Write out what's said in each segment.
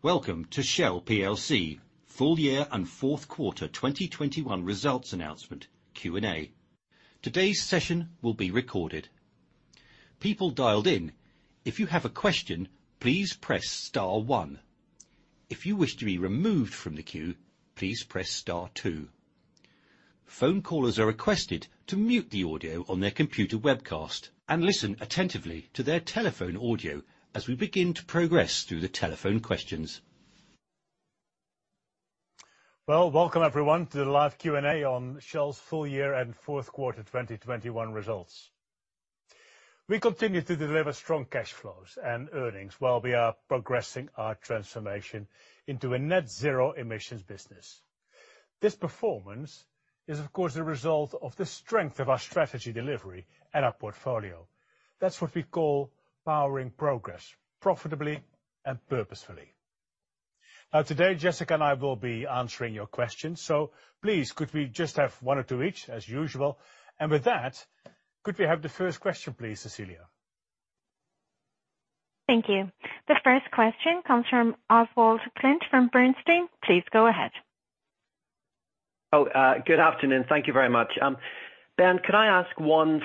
Welcome to Shell plc Full Year and Q4 2021 Results Announcement Q&A. Today's session will be recorded. People dialed in, if you have a question, please press star one. If you wish to be removed from the queue, please press star two. Phone callers are requested to mute the audio on their computer webcast and listen attentively to their telephone audio as we begin to progress through the telephone questions. Well, welcome, everyone, to the live Q&A on Shell's full year and Q4 2021 results. We continue to deliver strong cash flows and earnings while we are progressing our transformation into a net zero emissions business. This performance is, of course, the result of the strength of our strategy delivery and our portfolio. That's what we call powering progress profitably and purposefully. Now today, Jessica and I will be answering your questions. Please could we just have one or two each as usual. With that, could we have the first question, please, Cecilia. Thank you. The first question comes from Oswald Clint from Bernstein. Please go ahead. Good afternoon. Thank you very much. Ben, could I ask one,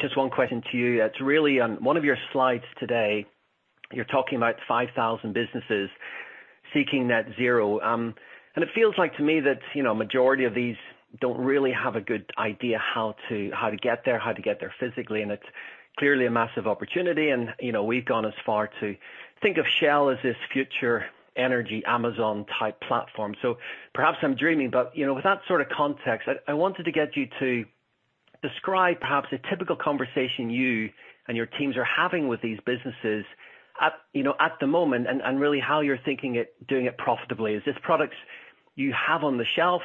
just one question to you. It's really on one of your slides today, you're talking about 5,000 businesses seeking net zero. It feels like to me that, you know, majority of these don't really have a good idea how to get there physically, and it's clearly a massive opportunity. You know, we've gone as far to think of Shell as this future energy Amazon type platform. Perhaps I'm dreaming, but, you know, with that sort of context, I wanted to get you to describe perhaps a typical conversation you and your teams are having with these businesses at, you know, at the moment and really how you're thinking it, doing it profitably. Is these products you have on the shelf,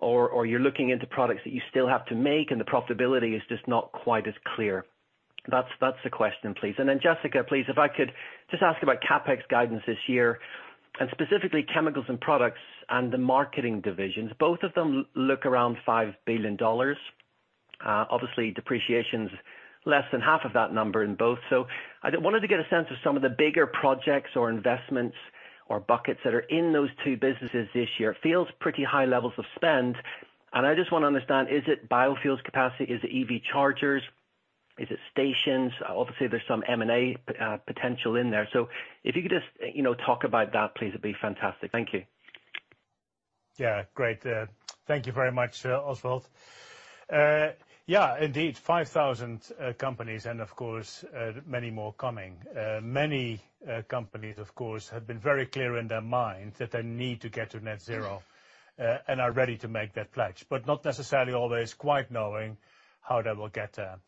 or you're looking into products that you still have to make and the profitability is just not quite as clear. That's the question, please. Then, Jessica, please, if I could just ask about CapEx guidance this year, and specifically chemicals and products and the marketing divisions. Both of them look around $5 billion. Obviously depreciation's less than half of that number in both. I just wanted to get a sense of some of the bigger projects or investments or buckets that are in those two businesses this year. It feels pretty high levels of spend, and I just wanna understand, is it biofuels capacity? Is it EV chargers? Is it stations? Obviously, there's some M&A potential in there. If you could just, you know, talk about that, please, it'd be fantastic. Thank you. Yeah. Great. Thank you very much, Oswald. Yeah, indeed, 5,000 companies and of course, many more coming. Many companies, of course, have been very clear in their mind that they need to get to net zero and are ready to make that pledge, but not necessarily always quite knowing how they will get there.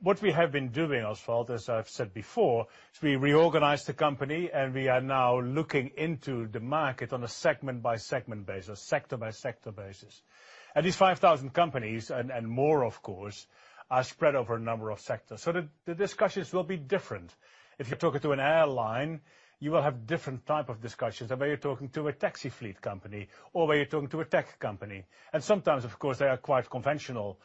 What we have been doing, Oswald, as I've said before, is we reorganized the company and we are now looking into the market on a segment by segment basis or sector by sector basis. These 5,000 companies and more, of course, are spread over a number of sectors, so the discussions will be different. If you're talking to an airline, you will have different type of discussions than when you're talking to a taxi fleet company or when you're talking to a tech company. Sometimes, of course, they are quite conventional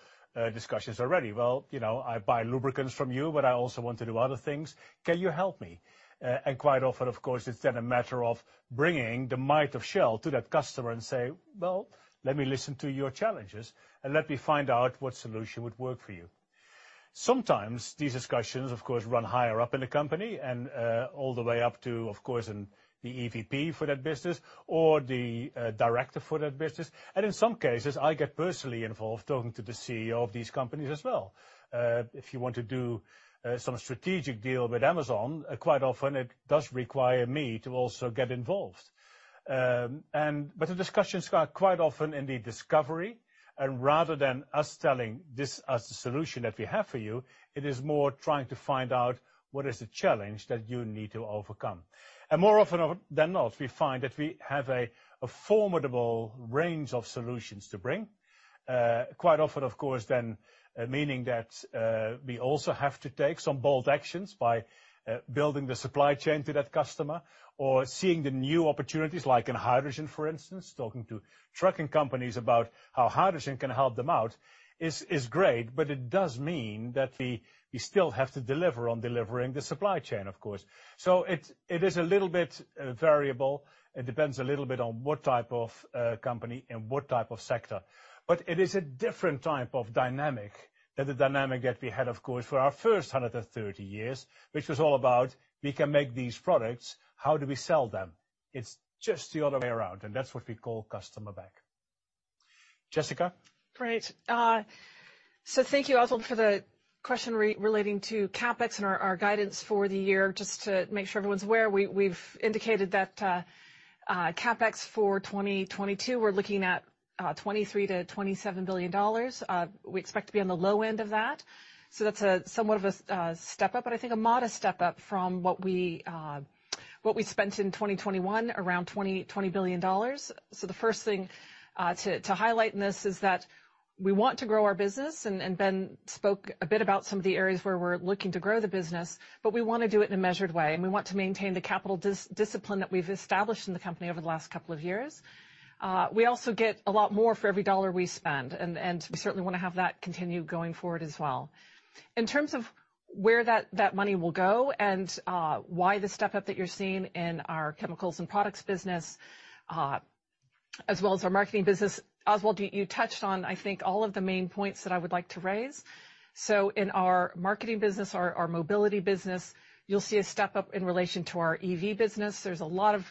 discussions already. Well, you know, I buy lubricants from you, but I also want to do other things. Can you help me? Quite often, of course, it's then a matter of bringing the might of Shell to that customer and say, "Well, let me listen to your challenges and let me find out what solution would work for you." Sometimes these discussions of course run higher up in the company and all the way up to, of course, the EVP for that business or the director for that business. In some cases, I get personally involved talking to the CEO of these companies as well. If you want to do some strategic deal with Amazon, quite often it does require me to also get involved. The discussions are quite often in the discovery. Rather than us telling this as the solution that we have for you, it is more trying to find out what is the challenge that you need to overcome. More often than not, we find that we have a formidable range of solutions to bring. Quite often, of course, then meaning that we also have to take some bold actions by building the supply chain to that customer or seeing the new opportunities like in hydrogen, for instance. Talking to trucking companies about how hydrogen can help them out is great, but it does mean that we still have to deliver on delivering the supply chain, of course. It is a little bit variable. It depends a little bit on what type of company and what type of sector. It is a different type of dynamic than the dynamic that we had, of course, for our first 130 years, which was all about we can make these products, how do we sell them? It's just the other way around, and that's what we call customer back. Jessica. Great. So thank you, Oswald, for the question relating to CapEx and our guidance for the year. Just to make sure everyone's aware, we've indicated that CapEx for 2022, we're looking at $23 billion-$27 billion. We expect to be on the low end of that. That's a somewhat of a step up, but I think a modest step up from what we spent in 2021 around $20 billion. The first thing to highlight in this is that we want to grow our business, and Ben spoke a bit about some of the areas where we're looking to grow the business, but we want to do it in a measured way, and we want to maintain the capital discipline that we've established in the company over the last couple of years. We also get a lot more for every dollar we spend, and we certainly want to have that continue going forward as well. In terms of where that money will go and why the step-up that you're seeing in our chemicals and products business as well as our marketing business. Oswald, you touched on, I think, all of the main points that I would like to raise. In our marketing business, our mobility business, you'll see a step up in relation to our EV business. There's a lot of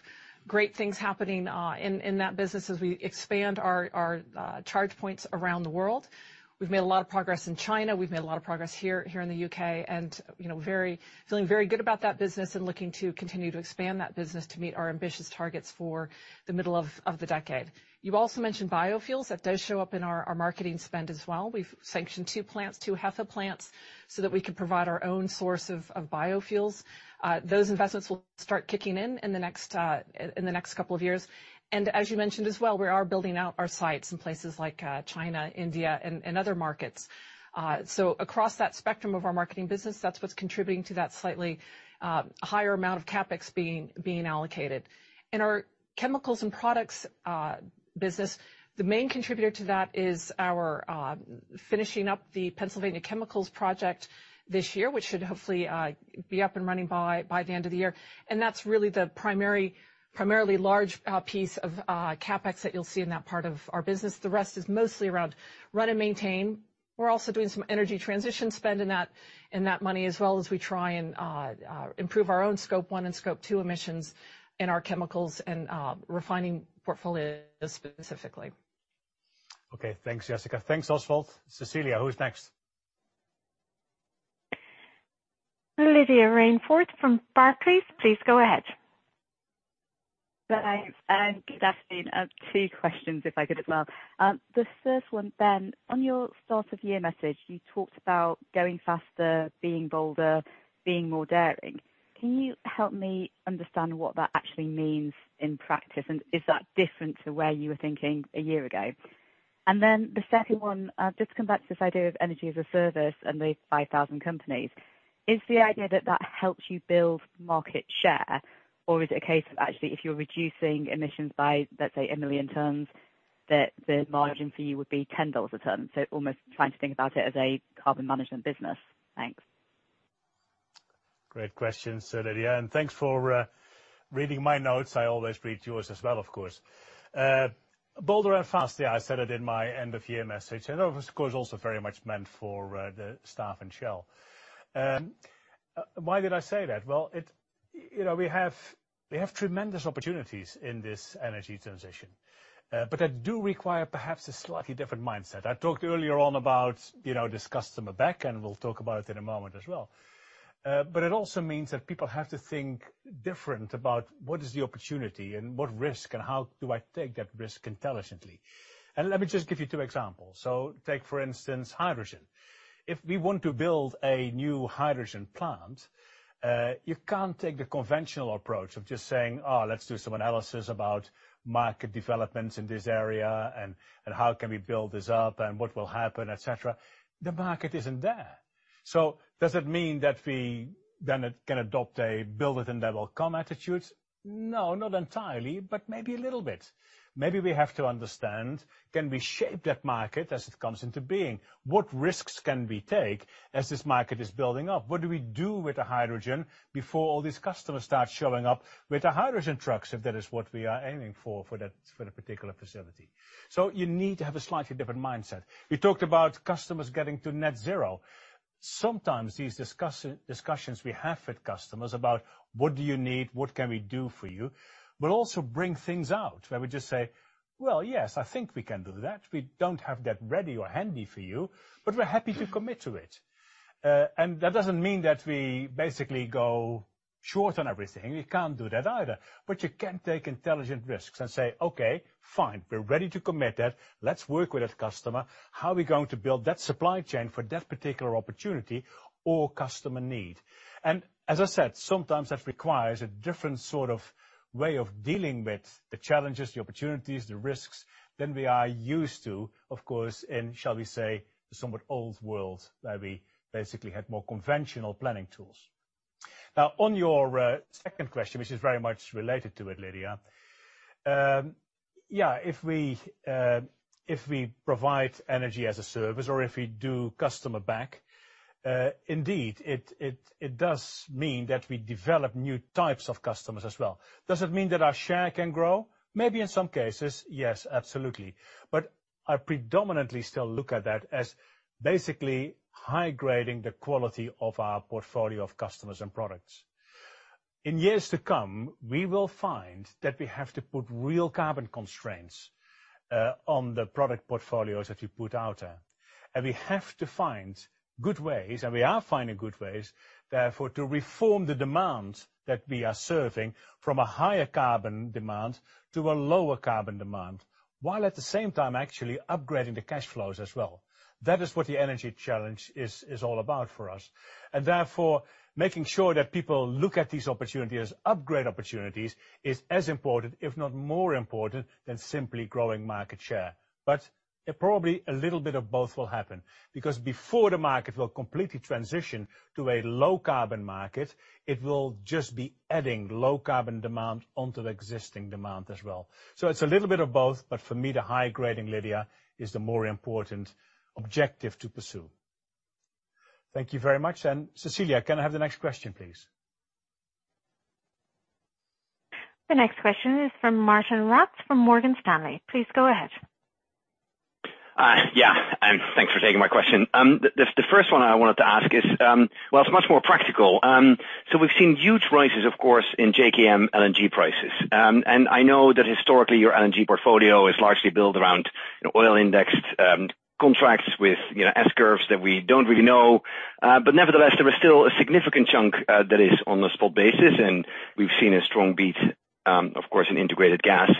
great things happening in that business as we expand our charge points around the world. We've made a lot of progress in China. We've made a lot of progress here in the U.K., and you know feeling very good about that business and looking to continue to expand that business to meet our ambitious targets for the middle of the decade. You also mentioned biofuels. That does show up in our marketing spend as well. We've sanctioned two plants, two HEFA plants, so that we can provide our own source of biofuels. Those investments will start kicking in in the next couple of years. As you mentioned as well, we are building out our sites in places like China, India, and other markets. Across that spectrum of our marketing business, that's what's contributing to that slightly higher amount of CapEx being allocated. In our chemicals and products business, the main contributor to that is our finishing up the Pennsylvania Chemicals project this year, which should hopefully be up and running by the end of the year. That's really the primary large piece of CapEx that you'll see in that part of our business. The rest is mostly around run and maintain. We're also doing some energy transition spend in that money, as well as we try and improve our own Scope 1 and Scope 2 emissions in our chemicals and refining portfolio specifically. Okay. Thanks, Jessica. Thanks, Oswald. Cecilia, who's next? Lydia Rainforth from Barclays, please go ahead. Hi. Good afternoon. Two questions if I could as well. The first one, Ben, on your start of year message, you talked about going faster, being bolder, being more daring. Can you help me understand what that actually means in practice? And is that different to where you were thinking a year ago? And then the second one, just come back to this idea of energy as a service and the 5,000 companies. Is the idea that that helps you build market share, or is it a case of actually if you're reducing emissions by, let's say, 1 million tons, that the margin for you would be $10 a ton? So almost trying to think about it as a carbon management business. Thanks. Great questions, Lydia, and thanks for reading my notes. I always read yours as well, of course. Bolder and faster, I said it in my end of year message. Of course, also very much meant for the staff in Shell. Why did I say that? You know, we have tremendous opportunities in this energy transition, but that do require perhaps a slightly different mindset. I talked earlier on about, you know, this customer back, and we'll talk about it in a moment as well. It also means that people have to think different about what is the opportunity and what risk, and how do I take that risk intelligently. Let me just give you two examples. Take, for instance, hydrogen. If we want to build a new hydrogen plant, you can't take the conventional approach of just saying, "Oh, let's do some analysis about market developments in this area and how can we build this up and what will happen, et cetera." The market isn't there. Does it mean that we then can adopt a build it and they will come attitude? No, not entirely, but maybe a little bit. Maybe we have to understand, can we shape that market as it comes into being? What risks can we take as this market is building up? What do we do with the hydrogen before all these customers start showing up with the hydrogen trucks, if that is what we are aiming for that, for the particular facility? You need to have a slightly different mindset. We talked about customers getting to net zero. Sometimes these discussions we have with customers about what do you need, what can we do for you, will also bring things out where we just say, "Well, yes, I think we can do that. We don't have that ready or handy for you, but we're happy to commit to it." That doesn't mean that we basically go short on everything. We can't do that either. You can take intelligent risks and say, "Okay, fine, we're ready to commit it. Let's work with that customer. How are we going to build that supply chain for that particular opportunity or customer need?" As I said, sometimes that requires a different sort of way of dealing with the challenges, the opportunities, the risks than we are used to, of course, in, shall we say, somewhat old world, where we basically had more conventional planning tools. Now, on your second question, which is very much related to it, Lydia. Yeah, if we provide energy as a service or if we do customer back, indeed, it does mean that we develop new types of customers as well. Does it mean that our share can grow? Maybe in some cases, yes, absolutely. But I predominantly still look at that as basically high grading the quality of our portfolio of customers and products. In years to come, we will find that we have to put real carbon constraints on the product portfolios that we put out there. We have to find good ways, and we are finding good ways, therefore, to reform the demand that we are serving from a higher carbon demand to a lower carbon demand, while at the same time actually upgrading the cash flows as well. That is what the energy challenge is all about for us. Therefore, making sure that people look at these opportunities as upgrade opportunities is as important, if not more important, than simply growing market share. Probably a little bit of both will happen, because before the market will completely transition to a low carbon market, it will just be adding low carbon demand onto the existing demand as well. It's a little bit of both, but for me, the high grading, Lydia, is the more important objective to pursue. Thank you very much. Cecilia, can I have the next question, please? The next question is from Martijn Rats from Morgan Stanley. Please go ahead. Yeah, thanks for taking my question. The first one I wanted to ask is, it's much more practical. We've seen huge rises, of course, in JKM LNG prices. I know that historically your LNG portfolio is largely built around oil-indexed contracts with, you know, S curves that we don't really know. Nevertheless, there is still a significant chunk that is on a spot basis, and we've seen a strong beat, of course, in Integrated Gas.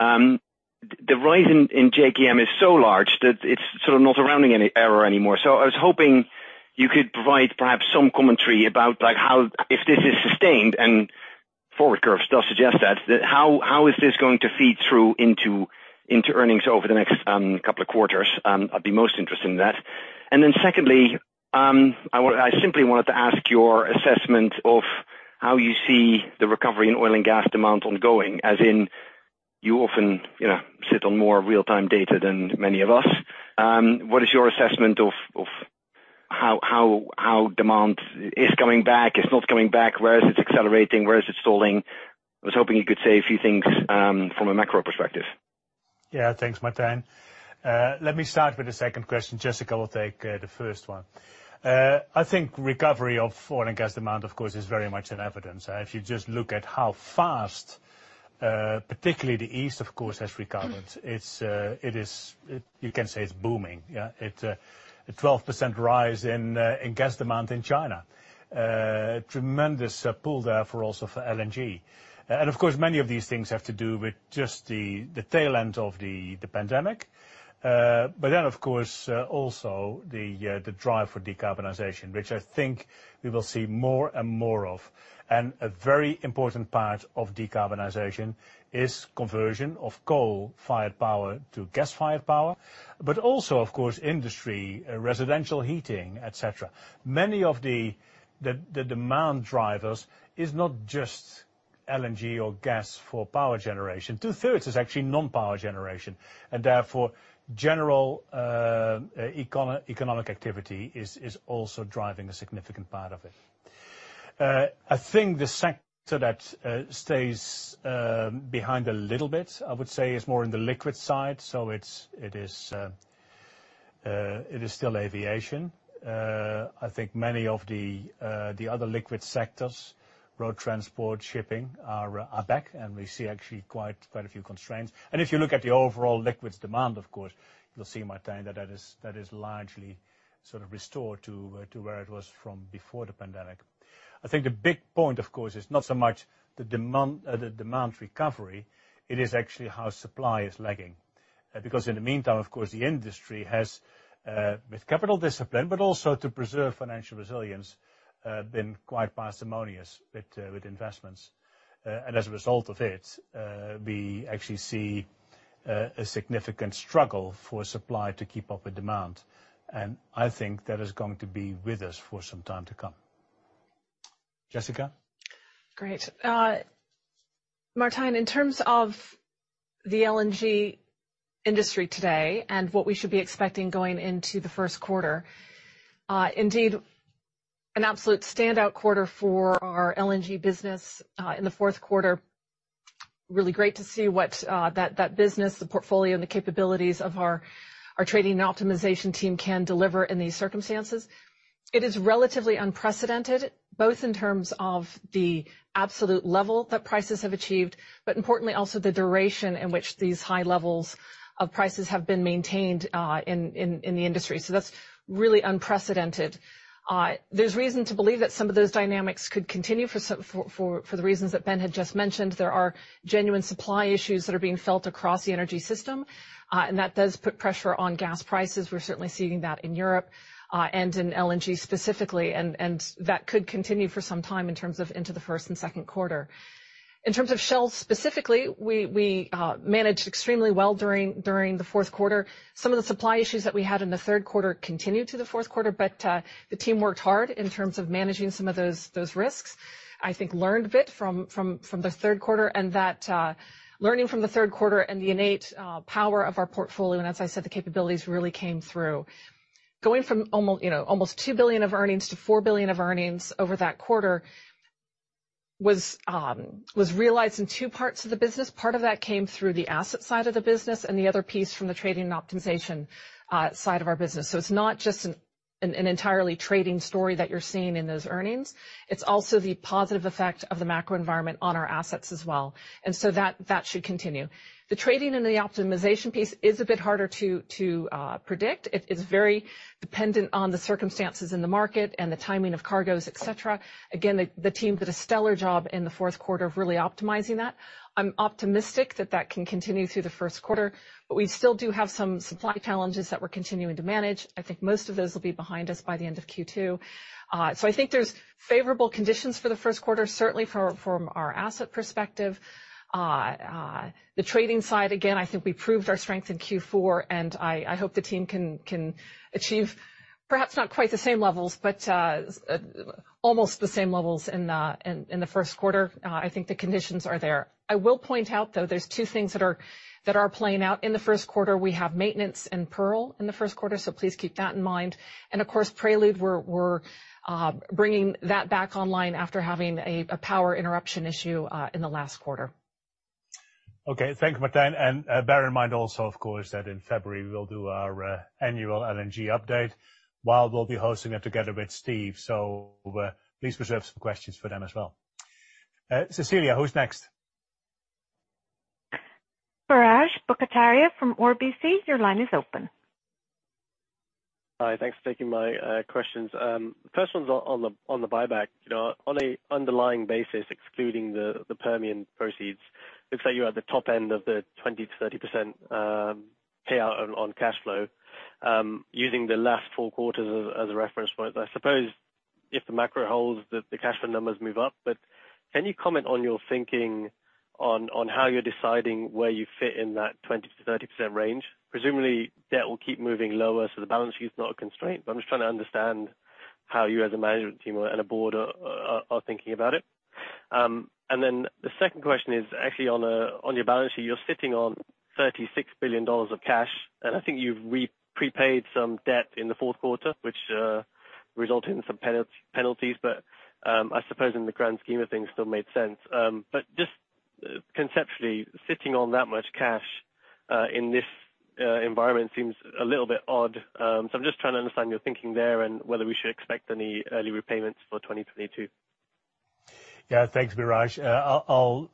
The rise in JKM is so large that it's sort of not swamping any error anymore. I was hoping you could provide perhaps some commentary about, like, how if this is sustained, and forward curves does suggest that, how is this going to feed through into earnings over the next couple of quarters? I'd be most interested in that. Then secondly, I simply wanted to ask your assessment of how you see the recovery in oil and gas demand ongoing. As in you often, you know, sit on more real-time data than many of us. What is your assessment of how demand is coming back? It's not coming back. Where is it accelerating? Where is it stalling? I was hoping you could say a few things from a macro perspective. Yeah. Thanks, Martijn. Let me start with the second question. Jessica will take the first one. I think recovery of oil and gas demand, of course, is very much in evidence. If you just look at how fast, particularly the East, of course, has recovered, you can say it's booming. A 12% rise in gas demand in China. Tremendous pool there for LNG. Of course, many of these things have to do with just the tail end of the pandemic. But then, of course, also the drive for decarbonization, which I think we will see more and more of. A very important part of decarbonization is conversion of coal-fired power to gas-fired power, but also, of course, industry, residential heating, et cetera. Many of the demand drivers is not just LNG or gas for power generation. Two-thirds is actually non-power generation, and therefore general economic activity is also driving a significant part of it. I think the sector that stays behind a little bit, I would say, is more in the liquid side. So it is still aviation. I think many of the other liquid sectors, road transport, shipping are back, and we see actually quite a few constraints. If you look at the overall liquids demand, of course, you'll see, Martijn, that that is largely sort of restored to where it was from before the pandemic. I think the big point, of course, is not so much the demand, the demand recovery, it is actually how supply is lagging. Because in the meantime, of course, the industry has, with capital discipline, but also to preserve financial resilience, been quite parsimonious with investments. As a result of it, we actually see a significant struggle for supply to keep up with demand. I think that is going to be with us for some time to come. Jessica? Great. Martijn, in terms of the LNG industry today and what we should be expecting going into the first quarter, indeed an absolute standout quarter for our LNG business in the fourth quarter. Really great to see what that business, the portfolio and the capabilities of our trading and optimization team can deliver in these circumstances. It is relatively unprecedented, both in terms of the absolute level that prices have achieved, but importantly also the duration in which these high levels of prices have been maintained in the industry. That's really unprecedented. There's reason to believe that some of those dynamics could continue for the reasons that Ben had just mentioned. There are genuine supply issues that are being felt across the energy system, and that does put pressure on gas prices. We're certainly seeing that in Europe, and in LNG specifically, and that could continue for some time in terms of into the Q1 and Q2. In terms of Shell specifically, we managed extremely well during the Q4. Some of the supply issues that we had in the Q3 continued to the Q4, but the team worked hard in terms of managing some of those risks. I think we learned a bit from the Q3, and that learning from the Q3 and the innate power of our portfolio, and as I said, the capabilities really came through. Going from you know, almost $2 billion of earnings to $4 billion of earnings over that quarter was realized in two parts of the business. Part of that came through the asset side of the business and the other piece from the trading and optimization side of our business. It's not just an entirely trading story that you're seeing in those earnings. It's also the positive effect of the macro environment on our assets as well. That should continue. The trading and the optimization piece is a bit harder to predict. It is very dependent on the circumstances in the market and the timing of cargoes, et cetera. Again, the team did a stellar job in the Q4 of really optimizing that. I'm optimistic that can continue through the Q1, but we still do have some supply challenges that we're continuing to manage. I think most of those will be behind us by the end of Q2. I think there's favorable conditions for the first quarter, certainly from our asset perspective. The trading side, again, I think we proved our strength in Q4, and I hope the team can achieve perhaps not quite the same levels, but almost the same levels in the Q1. I think the conditions are there. I will point out, though, there's two things that are playing out. In the Q1, we have maintenance in Pearl in the Q1, so please keep that in mind. Of course, Prelude, we're bringing that back online after having a power interruption issue in the last quarter. Okay. Thank you, Martijn. Bear in mind also, of course, that in February we will do our annual LNG update. Wael will be hosting it together with Steve. Please reserve some questions for them as well. Cecilia, who's next? Biraj Borkhataria from RBC, your line is open. Hi, thanks for taking my questions. First one's on the buyback. You know, on an underlying basis, excluding the Permian proceeds, looks like you're at the top end of the 20%-30% payout on cashflow, using the last four quarters as a reference point. I suppose if the macro holds, the cashflow numbers move up. But can you comment on your thinking on how you're deciding where you fit in that 20%-30% range? Presumably debt will keep moving lower, so the balance sheet's not a constraint. But I'm just trying to understand how you as a management team and a board are thinking about it. The second question is actually on your balance sheet. You're sitting on $36 billion of cash, and I think you've repaid some debt in the Q4, which resulted in some penalties, but I suppose in the grand scheme of things still made sense. Just conceptually, sitting on that much cash in this environment seems a little bit odd. I'm just trying to understand your thinking there and whether we should expect any early repayments for 2022. Yeah. Thanks, Biraj. I'll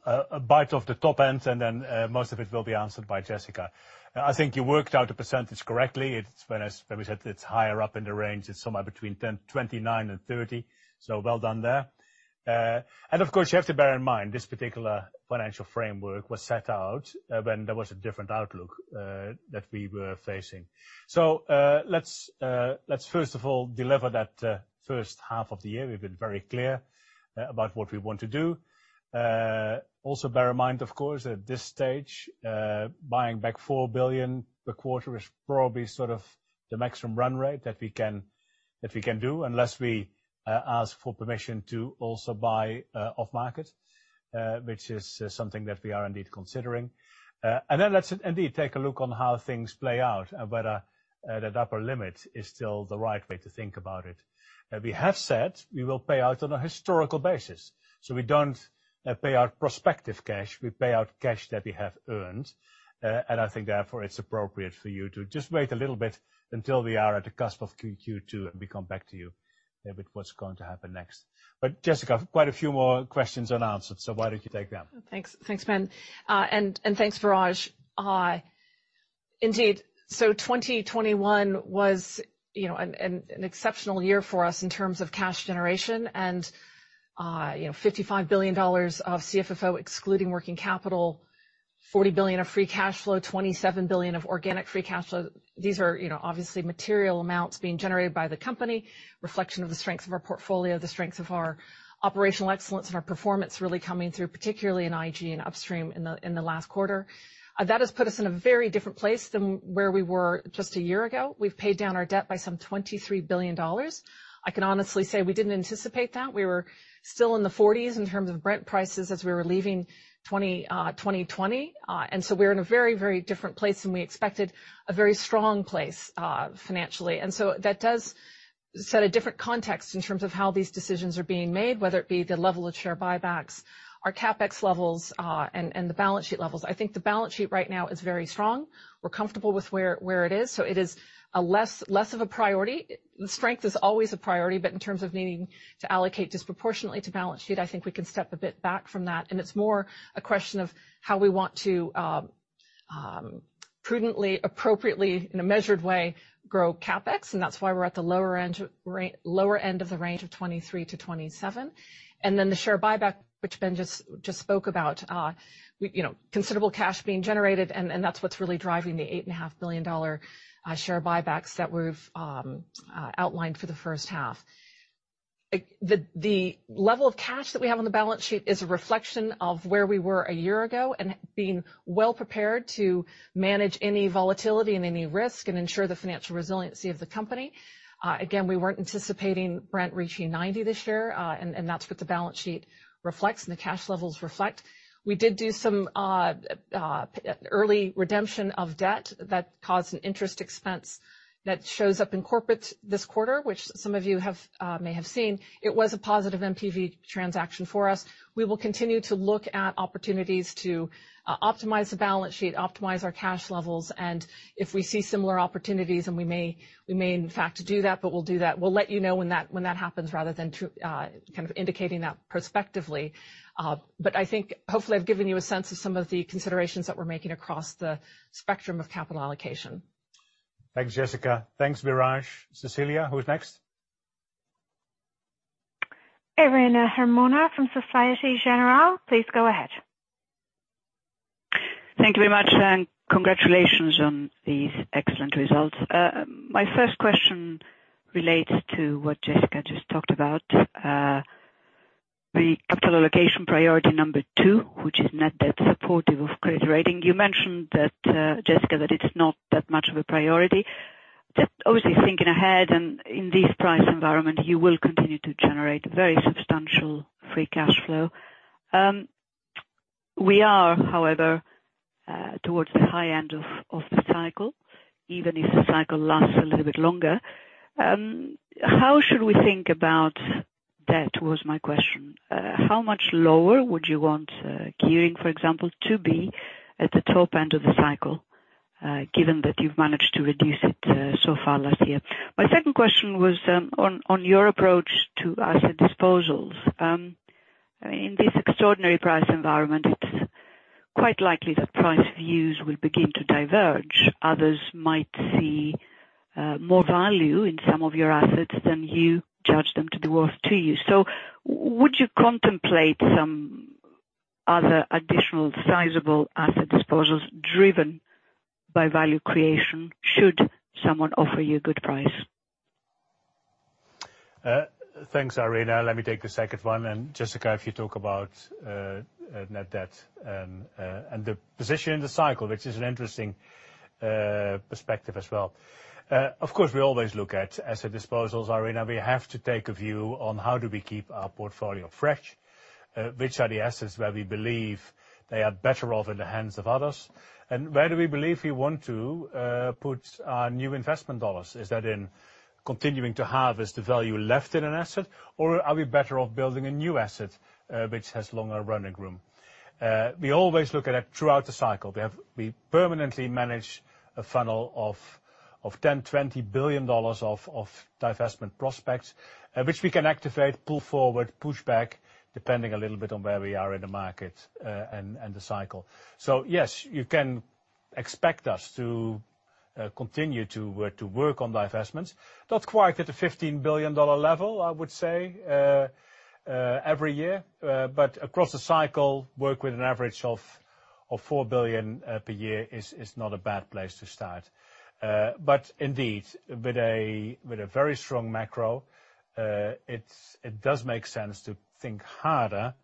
bite off the top end, and then most of it will be answered by Jessica. I think you worked out the percentage correctly. It's when we said it's higher up in the range. It's somewhere between 29% and 30%. Well done there. And of course, you have to bear in mind this particular financial framework was set out when there was a different outlook that we were facing. Let's first of all deliver that first half of the year. We've been very clear about what we want to do. Also bear in mind, of course, at this stage, buying back $4 billion per quarter is probably sort of the maximum run rate that we can do, unless we ask for permission to also buy off market, which is something that we are indeed considering. Then let's indeed take a look on how things play out and whether that upper limit is still the right way to think about it. We have said we will pay out on a historical basis, so we don't pay out prospective cash. We pay out cash that we have earned. I think therefore it's appropriate for you to just wait a little bit until we are at the cusp of Q2, and we come back to you with what's going to happen next. Jessica, quite a few more questions unanswered, so why don't you take them? Thanks. Thanks, Ben. And thanks, Biraj. Indeed, 2021 was, you know, an exceptional year for us in terms of cash generation and, you know, $55 billion of CFFO excluding working capital, $40 billion of free cashflow, $27 billion of organic free cashflow. These are, you know, obviously material amounts being generated by the company, reflection of the strengths of our portfolio, the strengths of our operational excellence and our performance really coming through, particularly in IG and Upstream in the last quarter. That has put us in a very different place than where we were just a year ago. We've paid down our debt by some $23 billion. I can honestly say we didn't anticipate that. We were still in the 40s in terms of Brent prices as we were leaving 2020. We're in a very different place than we expected, a very strong place, financially. That does set a different context in terms of how these decisions are being made, whether it be the level of share buybacks, our CapEx levels, and the balance sheet levels. I think the balance sheet right now is very strong. We're comfortable with where it is, so it is less of a priority. Strength is always a priority, but in terms of needing to allocate disproportionately to balance sheet, I think we can step a bit back from that. It's more a question of how we want to prudently, appropriately, in a measured way, grow CapEx, and that's why we're at the lower end of the range of $23 billion-$27 billion. The share buyback, which Ben just spoke about, we, you know, considerable cash being generated, and that's what's really driving the $8.5 billion share buybacks that we've outlined for the first half. The level of cash that we have on the balance sheet is a reflection of where we were a year ago and being well prepared to manage any volatility and any risk and ensure the financial resiliency of the company. Again, we weren't anticipating Brent reaching $90 this year, and that's what the balance sheet reflects and the cash levels reflect. We did do some early redemption of debt that caused an interest expense that shows up in corporate this quarter, which some of you have may have seen. It was a positive NPV transaction for us. We will continue to look at opportunities to optimize the balance sheet, optimize our cash levels, and if we see similar opportunities, and we may in fact do that, but we'll do that. We'll let you know when that happens, rather than through kind of indicating that prospectively. I think hopefully I've given you a sense of some of the considerations that we're making across the spectrum of capital allocation. Thanks, Jessica. Thanks, Biraj. Cecilia, who's next? Irene Himona from Societe Generale, please go ahead. Thank you very much, and congratulations on these excellent results. My first question relates to what Jessica just talked about, the capital allocation priority number two, which is net debt supportive of credit rating. You mentioned that, Jessica, that it's not that much of a priority. Just obviously thinking ahead, and in this price environment, you will continue to generate very substantial free cash flow. We are, however, towards the high end of the cycle, even if the cycle lasts a little bit longer. How should we think about That was my question. How much lower would you want gearing, for example, to be at the top end of the cycle, given that you've managed to reduce it so far last year? My second question was on your approach to asset disposals. In this extraordinary price environment, it's quite likely that price views will begin to diverge. Others might see more value in some of your assets than you judge them to be worth to you. Would you contemplate some other additional sizable asset disposals driven by value creation should someone offer you a good price? Thanks, Irene. Let me take the second one, and Jessica, if you talk about net debt and the position in the cycle, which is an interesting perspective as well. Of course, we always look at asset disposals, Irene. We have to take a view on how do we keep our portfolio fresh, which are the assets where we believe they are better off in the hands of others, and where do we believe we want to put our new investment dollars. Is that in continuing to harvest the value left in an asset or are we better off building a new asset, which has longer running room? We always look at it throughout the cycle. We permanently manage a funnel of $10 billion-$20 billion of divestment prospects, which we can activate, pull forward, push back, depending a little bit on where we are in the market, and the cycle. Yes, you can expect us to continue to work on divestments. Not quite at a $15 billion level, I would say, every year. Across the cycle, work with an average of $4 billion per year is not a bad place to start. Indeed, with a very strong macro, it does make sense to think harder.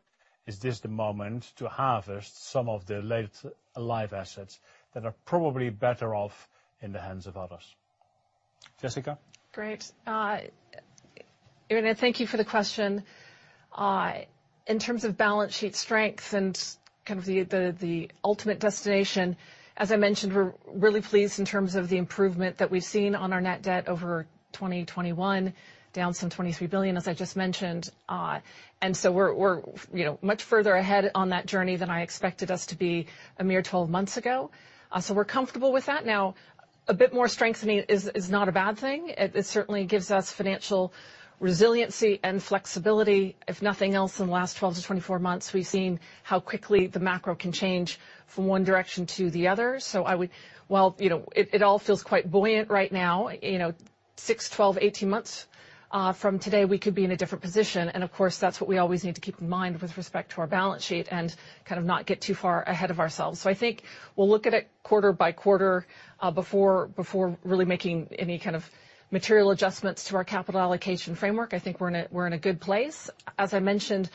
Is this the moment to harvest some of the late-life assets that are probably better off in the hands of others? Jessica? Great. Irene, thank you for the question. In terms of balance sheet strength and kind of the ultimate destination, as I mentioned, we're really pleased in terms of the improvement that we've seen on our net debt over 2021, down some $23 billion, as I just mentioned. We're, you know, much further ahead on that journey than I expected us to be a mere 12 months ago, so we're comfortable with that. Now, a bit more strengthening is not a bad thing. It certainly gives us financial resiliency and flexibility. If nothing else, in the last 12-24 months, we've seen how quickly the macro can change from one direction to the other. I would. While you know it all feels quite buoyant right now, you know, six, 12, 18 months from today, we could be in a different position. Of course, that's what we always need to keep in mind with respect to our balance sheet and kind of not get too far ahead of ourselves. I think we'll look at it quarter by quarter before really making any kind of material adjustments to our capital allocation framework. I think we're in a good place. As I mentioned,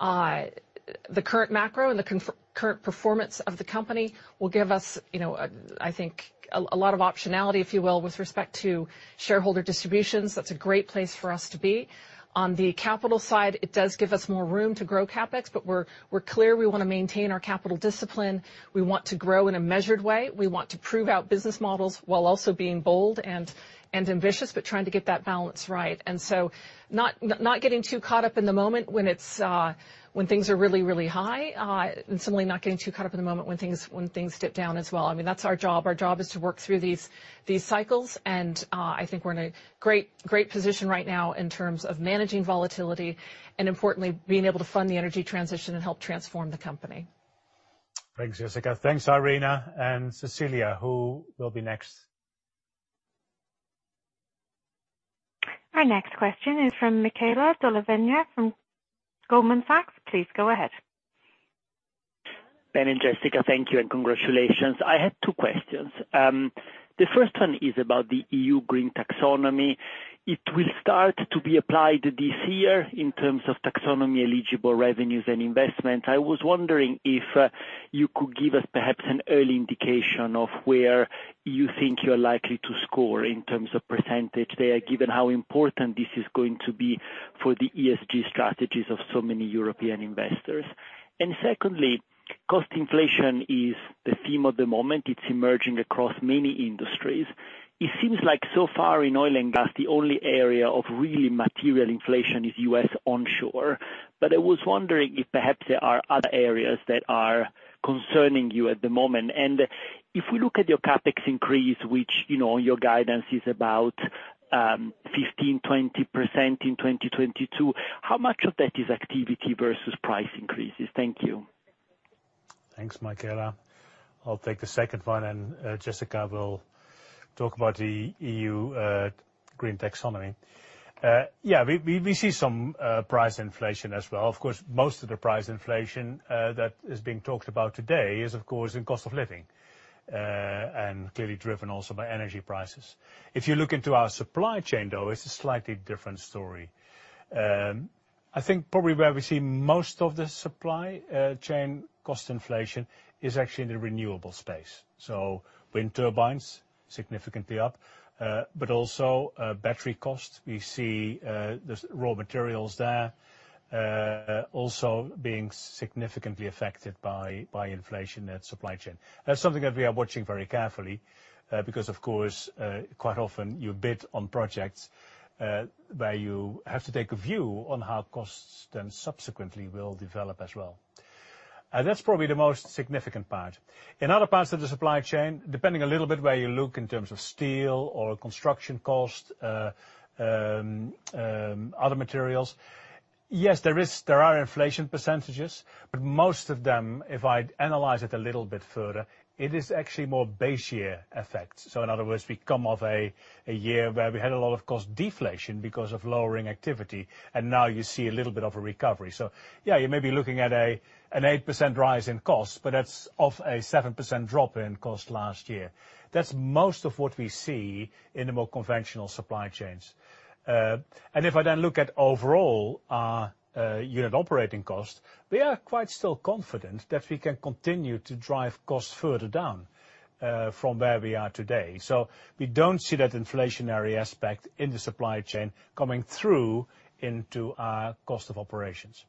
the current macro and the current performance of the company will give us, you know, I think, a lot of optionality, if you will, with respect to shareholder distributions. That's a great place for us to be. On the capital side, it does give us more room to grow CapEx, but we're clear we wanna maintain our capital discipline. We want to grow in a measured way. We want to prove our business models while also being bold and ambitious, but trying to get that balance right. Not getting too caught up in the moment when things are really high, and similarly not getting too caught up in the moment when things dip down as well. I mean, that's our job. Our job is to work through these cycles, and I think we're in a great position right now in terms of managing volatility, and importantly, being able to fund the energy transition and help transform the company. Thanks, Jessica. Thanks, Irene. Cecilia, who will be next? Our next question is from Michele Della Vigna from Goldman Sachs. Please go ahead. Ben and Jessica, thank you, and congratulations. I had two questions. The first one is about the EU green taxonomy. It will start to be applied this year in terms of taxonomy-eligible revenues and investment. I was wondering if you could give us perhaps an early indication of where you think you're likely to score in terms of percentage there, given how important this is going to be for the ESG strategies of so many European investors. And secondly, cost inflation is the theme of the moment. It's emerging across many industries. It seems like so far in oil and gas, the only area of really material inflation is U.S. onshore. I was wondering if perhaps there are other areas that are concerning you at the moment. If we look at your CapEx increase, which, you know, your guidance is about 15%-20% in 2022, how much of that is activity versus price increases? Thank you. Thanks, Michele. I'll take the second one, and Jessica will talk about the EU green taxonomy. We see some price inflation as well. Of course, most of the price inflation that is being talked about today is, of course, in cost of living and clearly driven also by energy prices. If you look into our supply chain, though, it's a slightly different story. I think probably where we see most of the supply chain cost inflation is actually in the renewable space. So wind turbines, significantly up, but also battery costs. We see the raw materials there also being significantly affected by inflation and supply chain. That's something that we are watching very carefully, because of course, quite often you bid on projects, where you have to take a view on how costs then subsequently will develop as well. That's probably the most significant part. In other parts of the supply chain, depending a little bit where you look in terms of steel or construction cost, other materials, yes, there are inflation percentages, but most of them, if I analyze it a little bit further, it is actually more base year effects. In other words, we come off a year where we had a lot of cost deflation because of lowering activity, and now you see a little bit of a recovery. Yeah, you may be looking at an 8% rise in costs, but that's off a 7% drop in cost last year. That's most of what we see in the more conventional supply chains. If I then look at overall unit operating cost, we are still quite confident that we can continue to drive costs further down from where we are today. We don't see that inflationary aspect in the supply chain coming through into our cost of operations.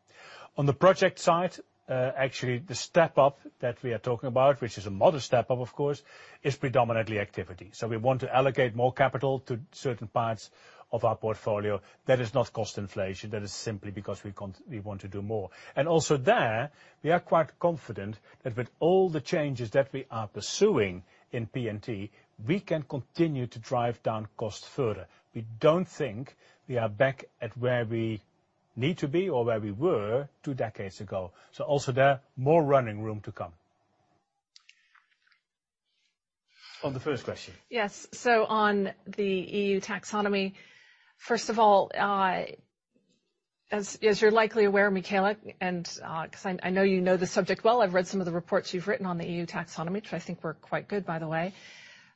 On the project side, actually, the step up that we are talking about, which is a moderate step up, of course, is predominantly activity. We want to allocate more capital to certain parts of our portfolio. That is not cost inflation. That is simply because we want to do more. Also there, we are quite confident that with all the changes that we are pursuing in P&T, we can continue to drive down costs further. We don't think we are back at where we need to be or where we were two decades ago. Also there, more running room to come. On the first question. Yes. On the EU taxonomy, first of all, as you're likely aware, Michele, and 'cause I know you know the subject well, I've read some of the reports you've written on the EU taxonomy, which I think were quite good, by the way.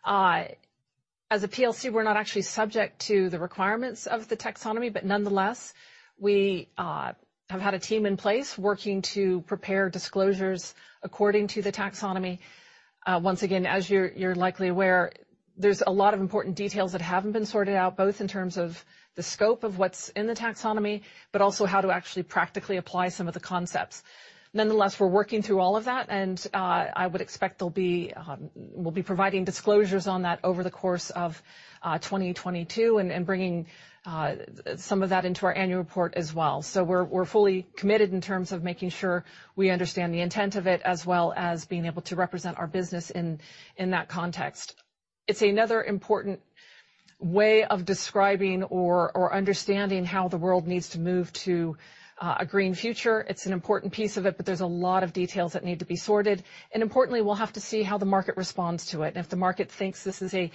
As a PLC, we're not actually subject to the requirements of the taxonomy, but nonetheless, we have had a team in place working to prepare disclosures according to the taxonomy. Once again, as you're likely aware, there's a lot of important details that haven't been sorted out, both in terms of the scope of what's in the taxonomy, but also how to actually practically apply some of the concepts. Nonetheless, we're working through all of that, and I would expect there'll be. We'll be providing disclosures on that over the course of 2022 and bringing some of that into our annual report as well. We're fully committed in terms of making sure we understand the intent of it as well as being able to represent our business in that context. It's another important way of describing or understanding how the world needs to move to a green future. It's an important piece of it, but there's a lot of details that need to be sorted. Importantly, we'll have to see how the market responds to it. If the market thinks this is a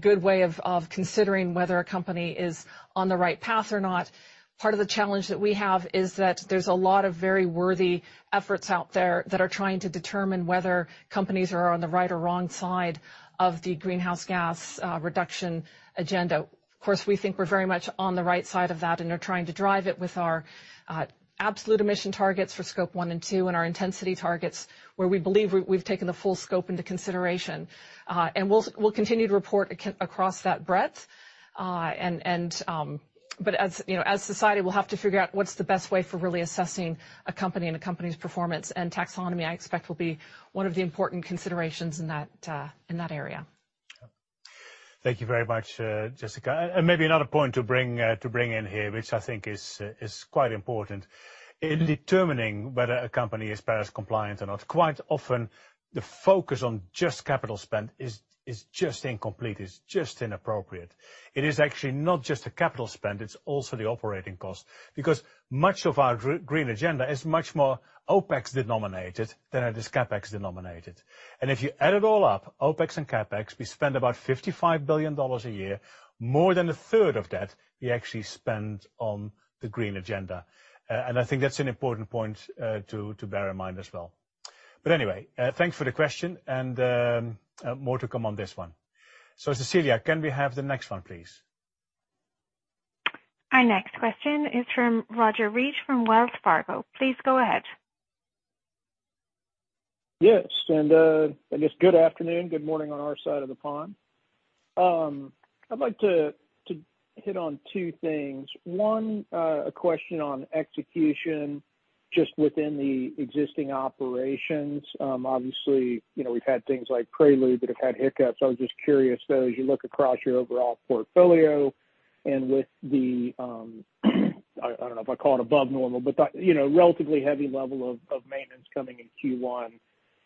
good way of considering whether a company is on the right path or not, part of the challenge that we have is that there's a lot of very worthy efforts out there that are trying to determine whether companies are on the right or wrong side of the greenhouse gas reduction agenda. Of course, we think we're very much on the right side of that and are trying to drive it with our absolute emission targets for Scope 1 and 2 and our intensity targets, where we believe we've taken the full scope into consideration. We'll continue to report across that breadth. But as you know, as society, we'll have to figure out what's the best way for really assessing a company and a company's performance. Taxonomy, I expect, will be one of the important considerations in that area. Thank you very much, Jessica. Maybe another point to bring in here, which I think is quite important. In determining whether a company is Paris compliant or not, quite often, the focus on just capital spend is just incomplete, just inappropriate. It is actually not just the capital spend, it's also the operating cost. Because much of our green agenda is much more OpEx denominated than it is CapEx denominated. If you add it all up, OpEx and CapEx, we spend about $55 billion a year. More than a third of that we actually spend on the green agenda. I think that's an important point to bear in mind as well. Anyway, thanks for the question, and more to come on this one. Cecilia, can we have the next one, please? Our next question is from Roger Read from Wells Fargo. Please go ahead. Yes, I guess good afternoon, good morning on our side of the pond. I'd like to hit on two things. One, a question on execution just within the existing operations. Obviously, you know, we've had things like Prelude that have had hiccups. I was just curious, though, as you look across your overall portfolio and with the, I don't know if I'd call it above normal, but, you know, relatively heavy level of maintenance coming in Q1,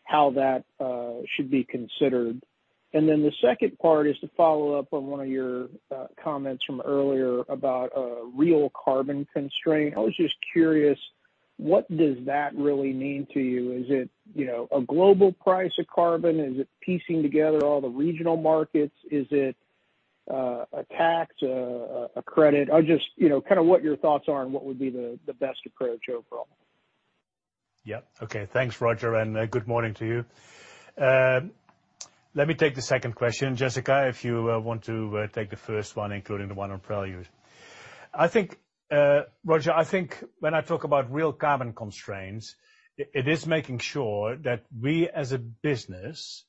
how that should be considered. Then the second part is to follow up on one of your comments from earlier about real carbon constraint. I was just curious, what does that really mean to you? Is it, you know, a global price of carbon? Is it piecing together all the regional markets? Is it a tax, a credit? Just, you know, kind of what your thoughts are and what would be the best approach overall. Yeah. Okay. Thanks, Roger, and good morning to you. Let me take the second question. Jessica, if you want to take the first one, including the one on Prelude. I think, Roger, when I talk about real carbon constraints, it is making sure that we as a business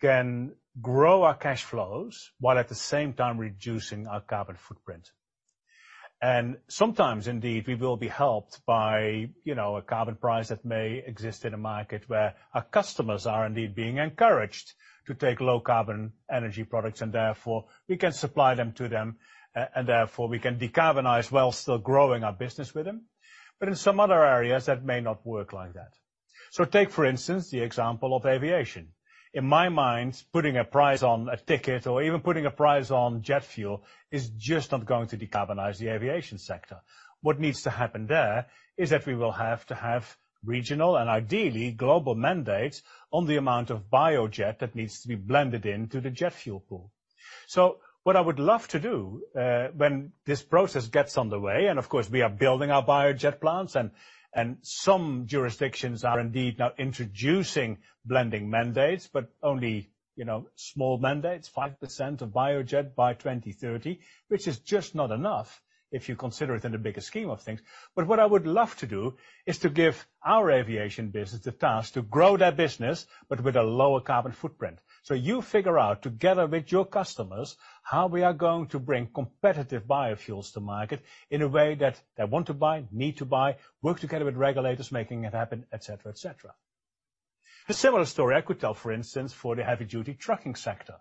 can grow our cash flows while at the same time reducing our carbon footprint. Sometimes indeed we will be helped by, you know, a carbon price that may exist in a market where our customers are indeed being encouraged to take low carbon energy products, and therefore we can supply them to them, and therefore we can decarbonize while still growing our business with them. In some other areas, that may not work like that. Take, for instance, the example of aviation. In my mind, putting a price on a ticket or even putting a price on jet fuel is just not going to decarbonize the aviation sector. What needs to happen there is that we will have to have regional and ideally global mandates on the amount of Bio-jet that needs to be blended into the jet fuel pool. What I would love to do, when this process gets underway, and of course, we are building our Bio-jet plants and some jurisdictions are indeed now introducing blending mandates, but only, you know, small mandates, 5% of Bio-jet by 2030, which is just not enough if you consider it in the bigger scheme of things. What I would love to do is to give our aviation business the task to grow their business, but with a lower carbon footprint. You figure out together with your customers how we are going to bring competitive biofuels to market in a way that they want to buy, need to buy, work together with regulators, making it happen, et cetera, et cetera. A similar story I could tell, for instance, for the heavy-duty trucking sector,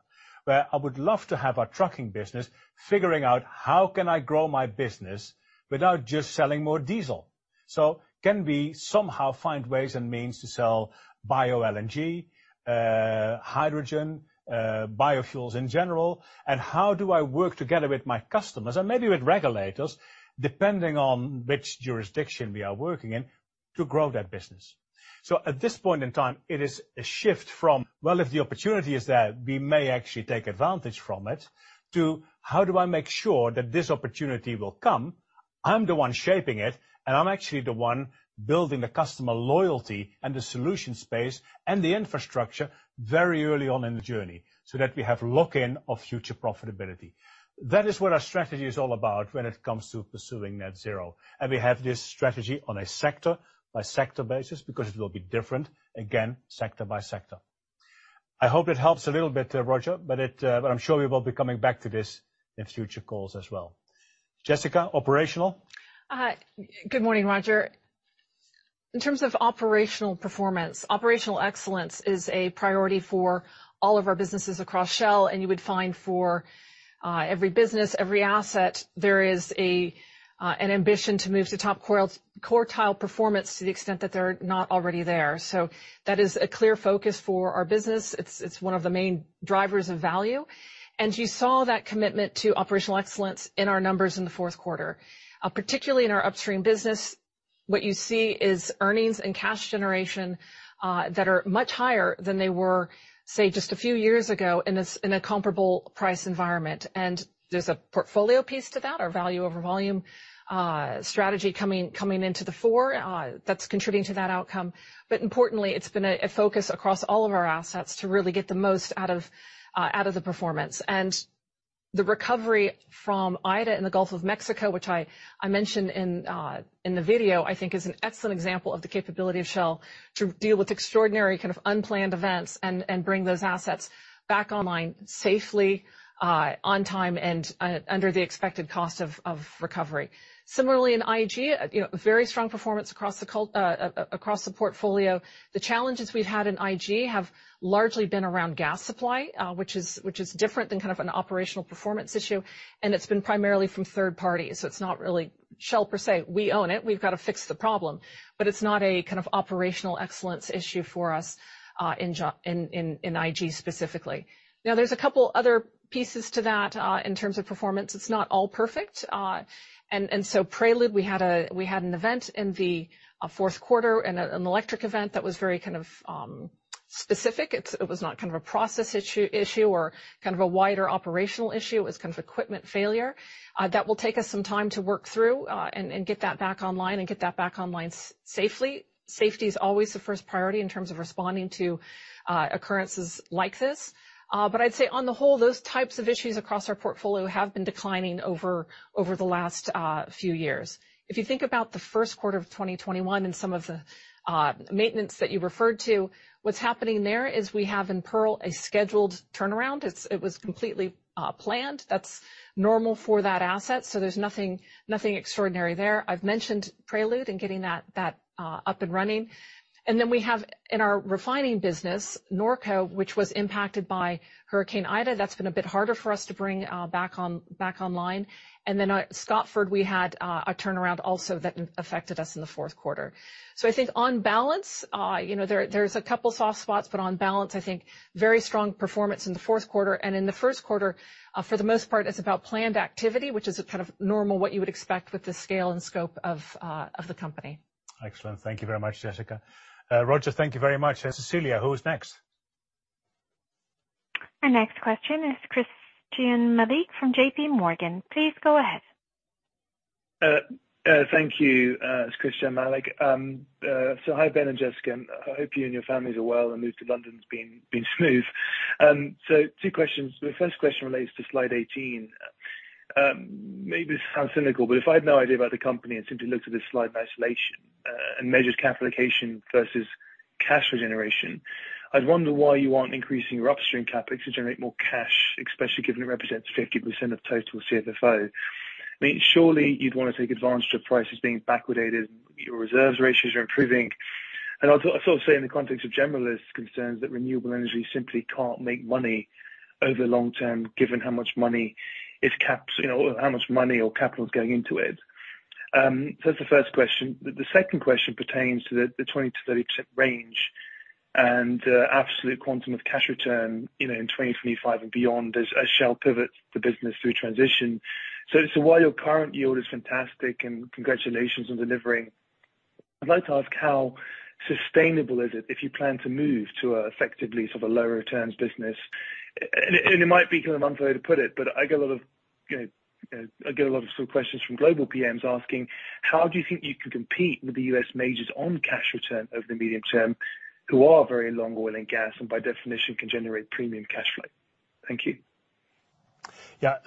where I would love to have our trucking business figuring out, how can I grow my business without just selling more diesel. Can we somehow find ways and means to sell bio LNG, hydrogen, biofuels in general, and how do I work together with my customers and maybe with regulators, depending on which jurisdiction we are working in, to grow that business. At this point in time, it is a shift from, well, if the opportunity is there, we may actually take advantage from it, to how do I make sure that this opportunity will come? I'm the one shaping it, and I'm actually the one building the customer loyalty and the solution space and the infrastructure very early on in the journey, so that we have lock-in of future profitability. That is what our strategy is all about when it comes to pursuing net zero. We have this strategy on a sector-by-sector basis because it will be different, again, sector by sector. I hope it helps a little bit, Roger, but I'm sure we will be coming back to this in future calls as well. Jessica, operational. Good morning, Roger. In terms of operational performance, operational excellence is a priority for all of our businesses across Shell, and you would find for every business, every asset, there is an ambition to move to top quartile performance to the extent that they're not already there. That is a clear focus for our business. It's one of the main drivers of value. You saw that commitment to operational excellence in our numbers in the Q4. Particularly in our upstream business, what you see is earnings and cash generation that are much higher than they were, say, just a few years ago in a comparable price environment. There's a portfolio piece to that, our value over volume strategy coming into the fore, that's contributing to that outcome. Importantly, it's been a focus across all of our assets to really get the most out of the performance. The recovery from Ida in the Gulf of Mexico, which I mentioned in the video, I think is an excellent example of the capability of Shell to deal with extraordinary kind of unplanned events and bring those assets back online safely, on time and under the expected cost of recovery. Similarly in IG, you know, very strong performance across the portfolio. The challenges we've had in IG have largely been around gas supply, which is different than kind of an operational performance issue, and it's been primarily from third parties. It's not really Shell per se. We own it, we've got to fix the problem, but it's not a kind of operational excellence issue for us in IG specifically. Now, there's a couple other pieces to that in terms of performance. It's not all perfect. Prelude, we had an event in the Q4 and an electric event that was very kind of specific. It was not kind of a process issue or kind of a wider operational issue. It was kind of equipment failure. That will take us some time to work through and get that back online safely. Safety is always the first priority in terms of responding to occurrences like this. I'd say on the whole, those types of issues across our portfolio have been declining over the last few years. If you think about the Q1 of 2021 and some of the maintenance that you referred to, what's happening there is we have in Pearl a scheduled turnaround. It was completely planned. That's normal for that asset, so there's nothing extraordinary there. I've mentioned Prelude and getting that up and running. Then we have in our refining business, Norco, which was impacted by Hurricane Ida, that's been a bit harder for us to bring back online. Then at Scotford, we had a turnaround also that affected us in the Q4. I think on balance, you know, there's a couple soft spots, but on balance, I think very strong performance in the fourth quarter. In the Q1, for the most part, it's about planned activity, which is a kind of normal what you would expect with the scale and scope of the company. Excellent. Thank you very much, Jessica. Roger, thank you very much. Cecilia, who is next? Our next question is Christyan Malek from JPMorgan. Please go ahead. Thank you. It's Christyan Malek. So hi, Ben and Jessica. I hope you and your families are well and move to London's been smooth. So two questions. The first question relates to slide 18. Maybe this sounds cynical, but if I had no idea about the company and simply looked at this slide in isolation and measures capital allocation versus cash regeneration. I'd wonder why you aren't increasing your upstream CapEx to generate more cash, especially given it represents 50% of total CFFO. I mean, surely you'd want to take advantage of prices being backwardated, your reserves ratios are improving. I'd sort of say in the context of generalist concerns that renewable energy simply can't make money over long-term, given how much CapEx, you know, how much money or capital is going into it. That's the first question. The second question pertains to the 20%-30% range and absolute quantum of cash return, you know, in 2025 and beyond as Shell pivots the business through transition. While your current yield is fantastic, and congratulations on delivering, I'd like to ask how sustainable is it if you plan to move to a effectively sort of lower returns business? It might be kind of unfair way to put it, but I get a lot of, you know, sort of questions from global PMs asking, "How do you think you can compete with the U.S. majors on cash return over the medium-term who are very long oil and gas, and by definition, can generate premium cash flow?" Thank you.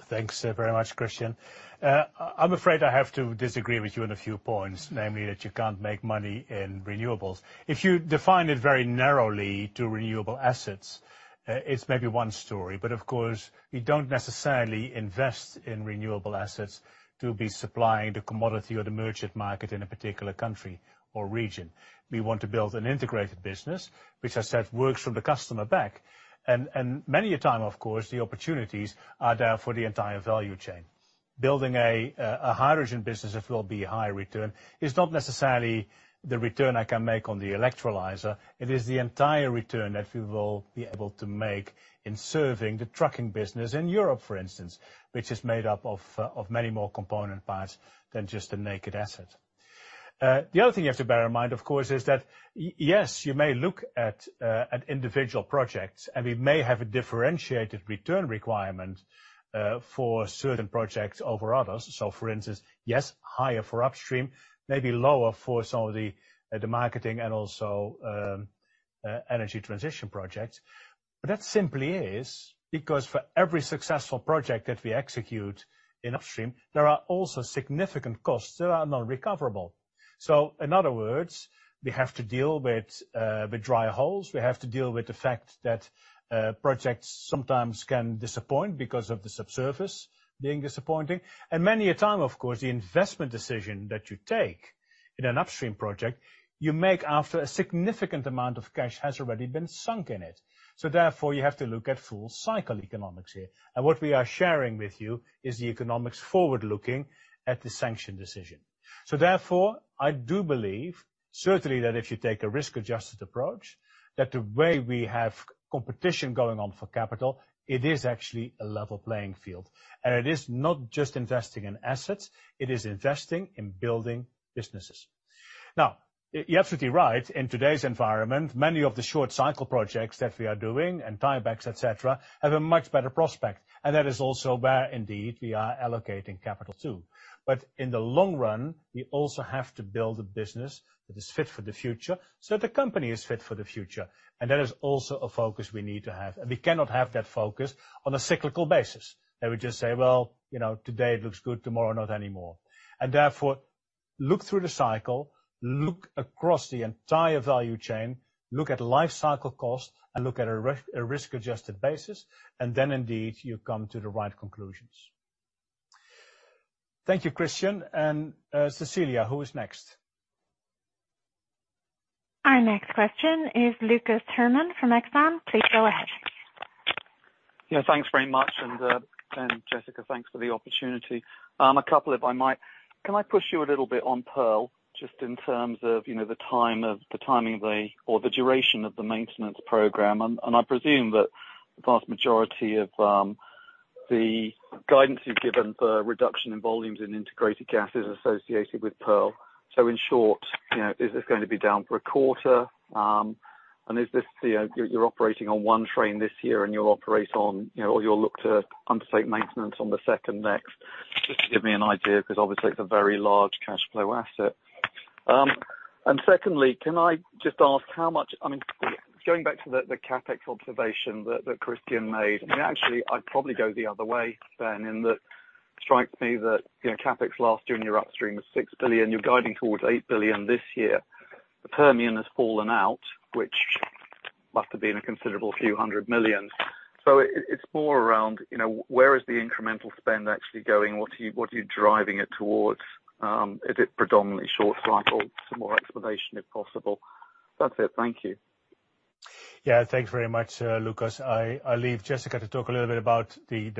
Thanks, very much, Christyan. I'm afraid I have to disagree with you on a few points, namely, that you can't make money in renewables. If you define it very narrowly to renewable assets, it's maybe one story. Of course, we don't necessarily invest in renewable assets to be supplying the commodity or the merchant market in a particular country or region. We want to build an integrated business, which I said works from the customer back. Many a time, of course, the opportunities are there for the entire value chain. Building a hydrogen business, if it will be high return, is not necessarily the return I can make on the electrolyzer. It is the entire return that we will be able to make in serving the trucking business in Europe, for instance, which is made up of many more component parts than just the naked asset. The other thing you have to bear in mind, of course, is that yes, you may look at individual projects, and we may have a differentiated return requirement for certain projects over others. For instance, yes, higher for upstream, maybe lower for some of the marketing and also energy transition projects. That simply is because for every successful project that we execute in upstream, there are also significant costs that are non-recoverable. In other words, we have to deal with dry holes. We have to deal with the fact that projects sometimes can disappoint because of the subsurface being disappointing. Many a time, of course, the investment decision that you take in an upstream project, you make after a significant amount of cash has already been sunk in it. You have to look at full cycle economics here. What we are sharing with you is the economics forward-looking at the sanction decision. I do believe, certainly that if you take a risk-adjusted approach, that the way we have competition going on for capital, it is actually a level playing field. It is not just investing in assets, it is investing in building businesses. Now, you're absolutely right. In today's environment, many of the short cycle projects that we are doing and tiebacks, et cetera, have a much better prospect, and that is also where indeed we are allocating capital too. In the long run, we also have to build a business that is fit for the future, so the company is fit for the future. That is also a focus we need to have. We cannot have that focus on a cyclical basis. We just say, "Well, you know, today it looks good, tomorrow not anymore." Therefore, look through the cycle, look across the entire value chain, look at life cycle cost and look at a risk-adjusted basis, and then indeed you come to the right conclusions. Thank you, Christyan. Cecilia, who is next? Our next question is Lucas Herrmann from Exane. Please go ahead. Yeah, thanks very much. And Jessica, thanks for the opportunity. A couple if I might. Can I push you a little bit on Pearl, just in terms of the timing of the, or the duration of the maintenance program? And I presume that the vast majority of the guidance you've given for reduction in volumes in Integrated Gas is associated with Pearl. So in short, is this going to be down for a quarter? And is this, you're operating on one train this year and you'll look to undertake maintenance on the second next? Just to give me an idea, 'cause obviously it's a very large cash flow asset. And secondly, can I just ask how much... I mean, going back to the CapEx observation that Christyan made, I mean, actually I'd probably go the other way, Ben, in that it strikes me that, you know, CapEx last year in your Upstream was $6 billion. You're guiding towards $8 billion this year. The Permian has fallen out, which must have been a considerable few hundred million. It's more around, you know, where is the incremental spend actually going? What are you driving it towards? Is it predominantly short cycle? Some more explanation if possible. That's it. Thank you. Thanks very much, Lucas. I'll leave Jessica to talk a little bit about the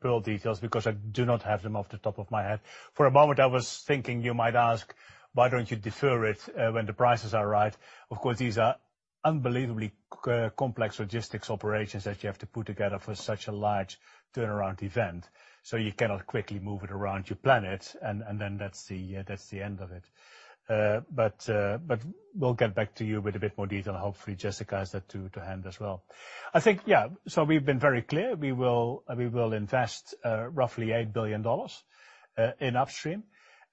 Pearl details because I do not have them off the top of my head. For a moment, I was thinking you might ask, why don't you defer it when the prices are right. Of course, these are unbelievably complex logistics operations that you have to put together for such a large turnaround event. You cannot quickly move it around, you plan it, and then that's the end of it. But we'll get back to you with a bit more detail. Hopefully, Jessica has that, too, to hand as well. I think we've been very clear. We will invest roughly $8 billion in upstream.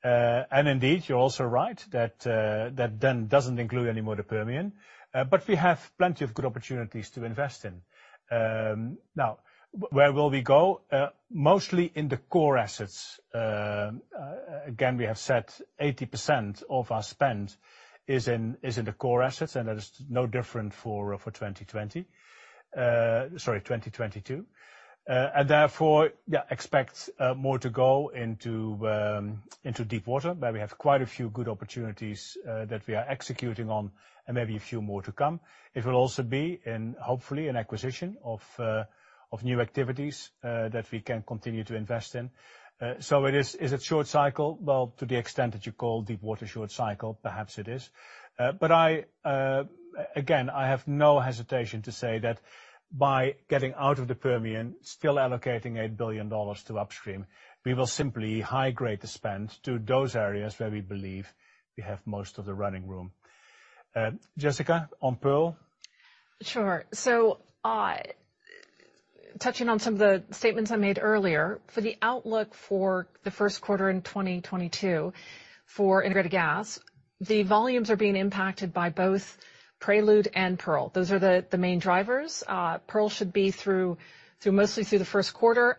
Indeed, you're also right that that then doesn't include anymore the Permian. We have plenty of good opportunities to invest in. Now, where will we go? Mostly in the core assets. Again, we have said 80% of our spend is in the core assets, and that is no different for 2022. Therefore, yeah, expect more to go into deep water, where we have quite a few good opportunities that we are executing on and maybe a few more to come. It will also be, hopefully, in an acquisition of new activities that we can continue to invest in. So it is. Is it short cycle? Well, to the extent that you call deep water short cycle, perhaps it is. I again have no hesitation to say that by getting out of the Permian, still allocating $8 billion to upstream, we will simply high-grade the spend to those areas where we believe we have most of the running room. Jessica on Pearl? Sure. Touching on some of the statements I made earlier. For the outlook for the Q1 in 2022 for integrated gas, the volumes are being impacted by both Prelude and Pearl. Those are the main drivers. Pearl should be mostly through the Q1.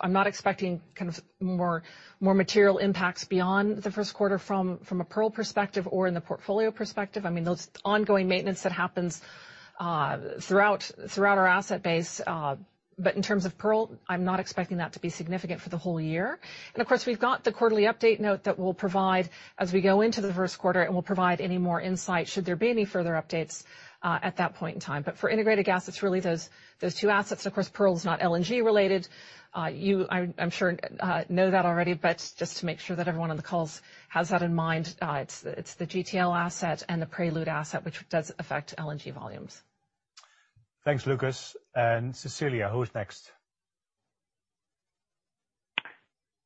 I'm not expecting kind of more material impacts beyond the Q1 from a Pearl perspective or in the portfolio perspective. I mean, those ongoing maintenance that happens throughout our asset base. But in terms of Pearl, I'm not expecting that to be significant for the whole year. Of course, we've got the quarterly update note that we'll provide as we go into the first quarter, and we'll provide any more insight should there be any further updates at that point in time. For Integrated Gas, it's really those two assets. Of course, Pearl is not LNG-related. You, I'm sure, know that already, but just to make sure that everyone on the call has that in mind. It's the GTL asset and the Prelude asset which does affect LNG volumes. Thanks, Lucas. Cecilia, who is next?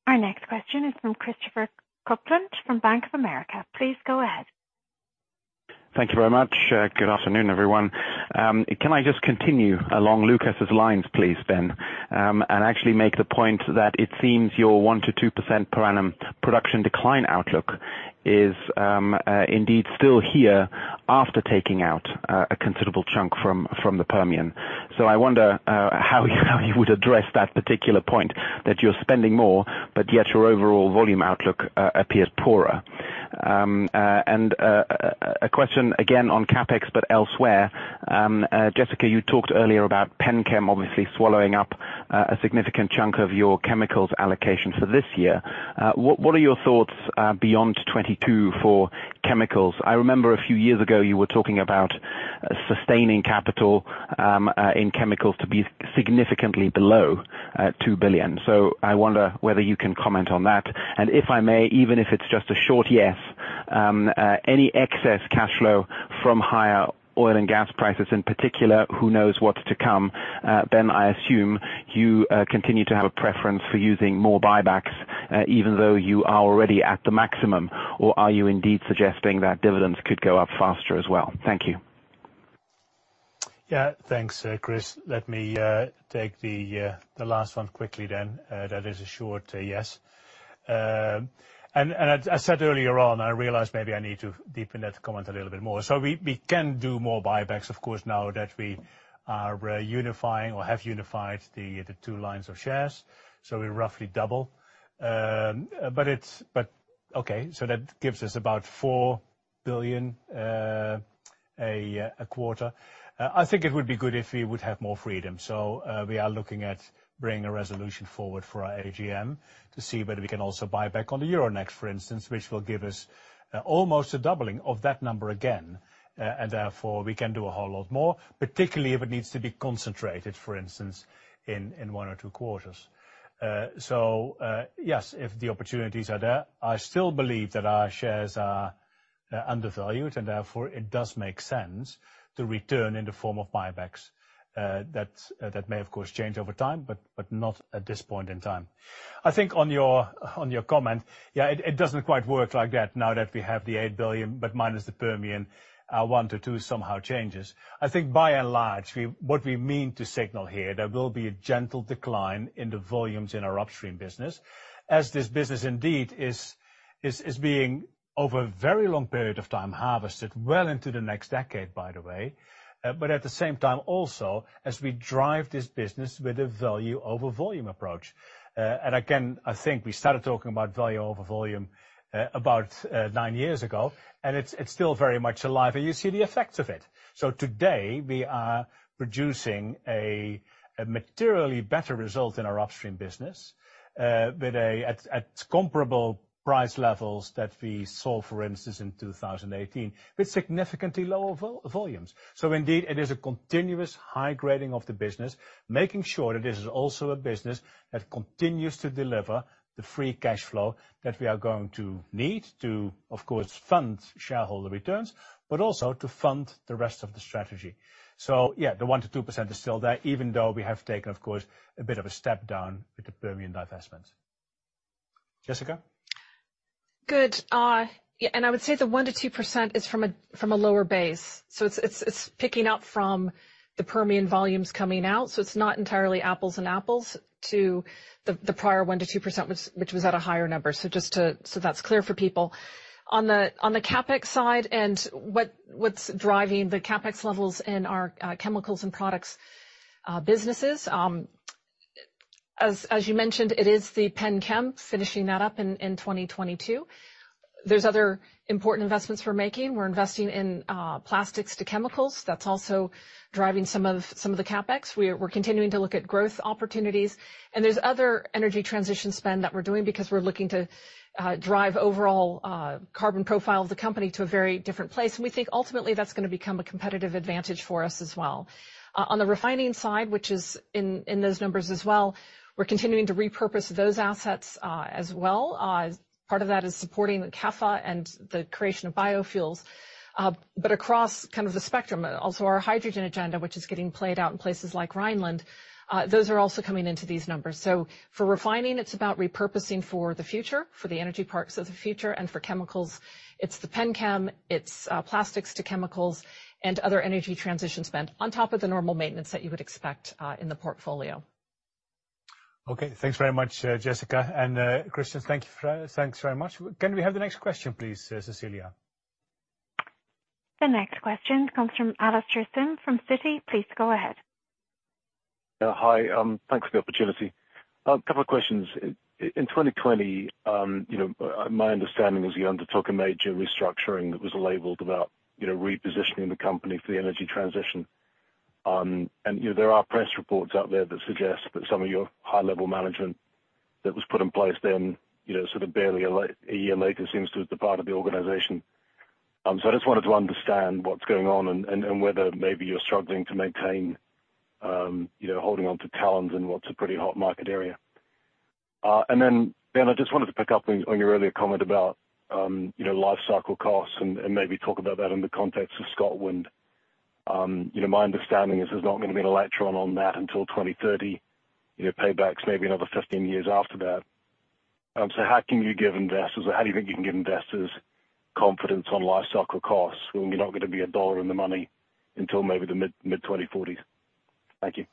Our next question is from Christopher Kuplent from Bank of America. Please go ahead. Thank you very much. Good afternoon, everyone. Can I just continue along Lucas's lines, please, Ben, and actually make the point that it seems your 1%-2% per annum production decline outlook is indeed still here after taking out a considerable chunk from the Permian. I wonder how you would address that particular point that you're spending more, but yet your overall volume outlook appears poorer. A question again on CapEx, but elsewhere. Jessica, you talked earlier about Penn Chem obviously swallowing up a significant chunk of your chemicals allocation for this year. What are your thoughts beyond 2022 for chemicals? I remember a few years ago you were talking about sustaining capital in chemicals to be significantly below $2 billion. I wonder whether you can comment on that. If I may, even if it's just a short yes, any excess cash flow from higher oil and gas prices in particular, who knows what's to come, Ben, I assume you continue to have a preference for using more buybacks, even though you are already at the maximum, or are you indeed suggesting that dividends could go up faster as well? Thank you. Yeah. Thanks, Chris. Let me take the last one quickly then. That is a short yes. As I said earlier on, I realize maybe I need to deepen that comment a little bit more. We can do more buybacks, of course, now that we are unifying or have unified the two lines of shares, so we roughly double. That gives us about $4 billion a quarter. I think it would be good if we would have more freedom. We are looking at bringing a resolution forward for our AGM to see whether we can also buy back on the Euronext, for instance, which will give us almost a doubling of that number again. Therefore we can do a whole lot more, particularly if it needs to be concentrated, for instance, in one or two quarters. Yes, if the opportunities are there, I still believe that our shares are undervalued, and therefore it does make sense to return in the form of buybacks. That may, of course, change over time, but not at this point in time. I think on your comment, yeah, it doesn't quite work like that now that we have the $8 billion, but minus the Permian, 1 to 2 somehow changes. I think by and large, we mean to signal here, there will be a gentle decline in the volumes in our upstream business as this business indeed is being, over a very long period of time, harvested well into the next decade, by the way. But at the same time also, as we drive this business with a value over volume approach. Again, I think we started talking about value over volume, about nine years ago, and it's still very much alive, and you see the effects of it. Today, we are producing a materially better result in our upstream business, with, at comparable price levels that we saw, for instance, in 2018, with significantly lower volumes. Indeed, it is a continuous high grading of the business, making sure that this is also a business that continues to deliver the free cash flow that we are going to need to, of course, fund shareholder returns, but also to fund the rest of the strategy. Yeah, the 1%-2% is still there, even though we have taken, of course, a bit of a step down with the Permian divestment. Jessica? Good. Yeah, I would say the 1%-2% is from a lower base. It's picking up from the Permian volumes coming out, so it's not entirely apples to apples to the prior 1%-2%, which was at a higher number. Just to so that's clear for people. On the CapEx side and what's driving the CapEx levels in our Chemicals and Products businesses. As you mentioned, it is the Penn Chem, finishing that up in 2022. There's other important investments we're making. We're investing in plastics-to-chemicals. That's also driving some of the CapEx. We're continuing to look at growth opportunities. There's other energy transition spend that we're doing because we're looking to drive overall carbon profile of the company to a very different place. We think ultimately that's gonna become a competitive advantage for us as well. On the refining side, which is in those numbers as well, we're continuing to repurpose those assets as well. Part of that is supporting the HEFA and the creation of biofuels. But across kind of the spectrum, also our hydrogen agenda, which is getting played out in places like Rhineland, those are also coming into these numbers. For refining, it's about repurposing for the future, for the energy parts of the future. For chemicals, it's the Penn Chem, plastics-to-chemicals and other energy transition spend on top of the normal maintenance that you would expect in the portfolio. Okay. Thanks very much, Jessica. Christyan, thank you for that. Thanks very much. Can we have the next question, please, Cecilia? The next question comes from Alastair Syme from Citi. Please go ahead. Hi. Thanks for the opportunity. A couple of questions. In 2020, you know, my understanding is you undertook a major restructuring that was labeled about, you know, repositioning the company for the energy transition. You know, there are press reports out there that suggest that some of your high level management that was put in place then, you know, sort of barely a year later, seems to have departed the organization. So I just wanted to understand what's going on and whether maybe you're struggling to maintain, you know, holding on to talent in what's a pretty hot market area. Then, Ben, I just wanted to pick up on your earlier comment about, you know, lifecycle costs and maybe talk about that in the context of ScotWind. You know, my understanding is there's not gonna be a return on that until 2030. You know, paybacks may be another 15 years after that. How can you give investors, or how do you think you can give investors confidence on lifecycle costs when you're not gonna be $1 in the money until maybe the mid-2040? Thank you.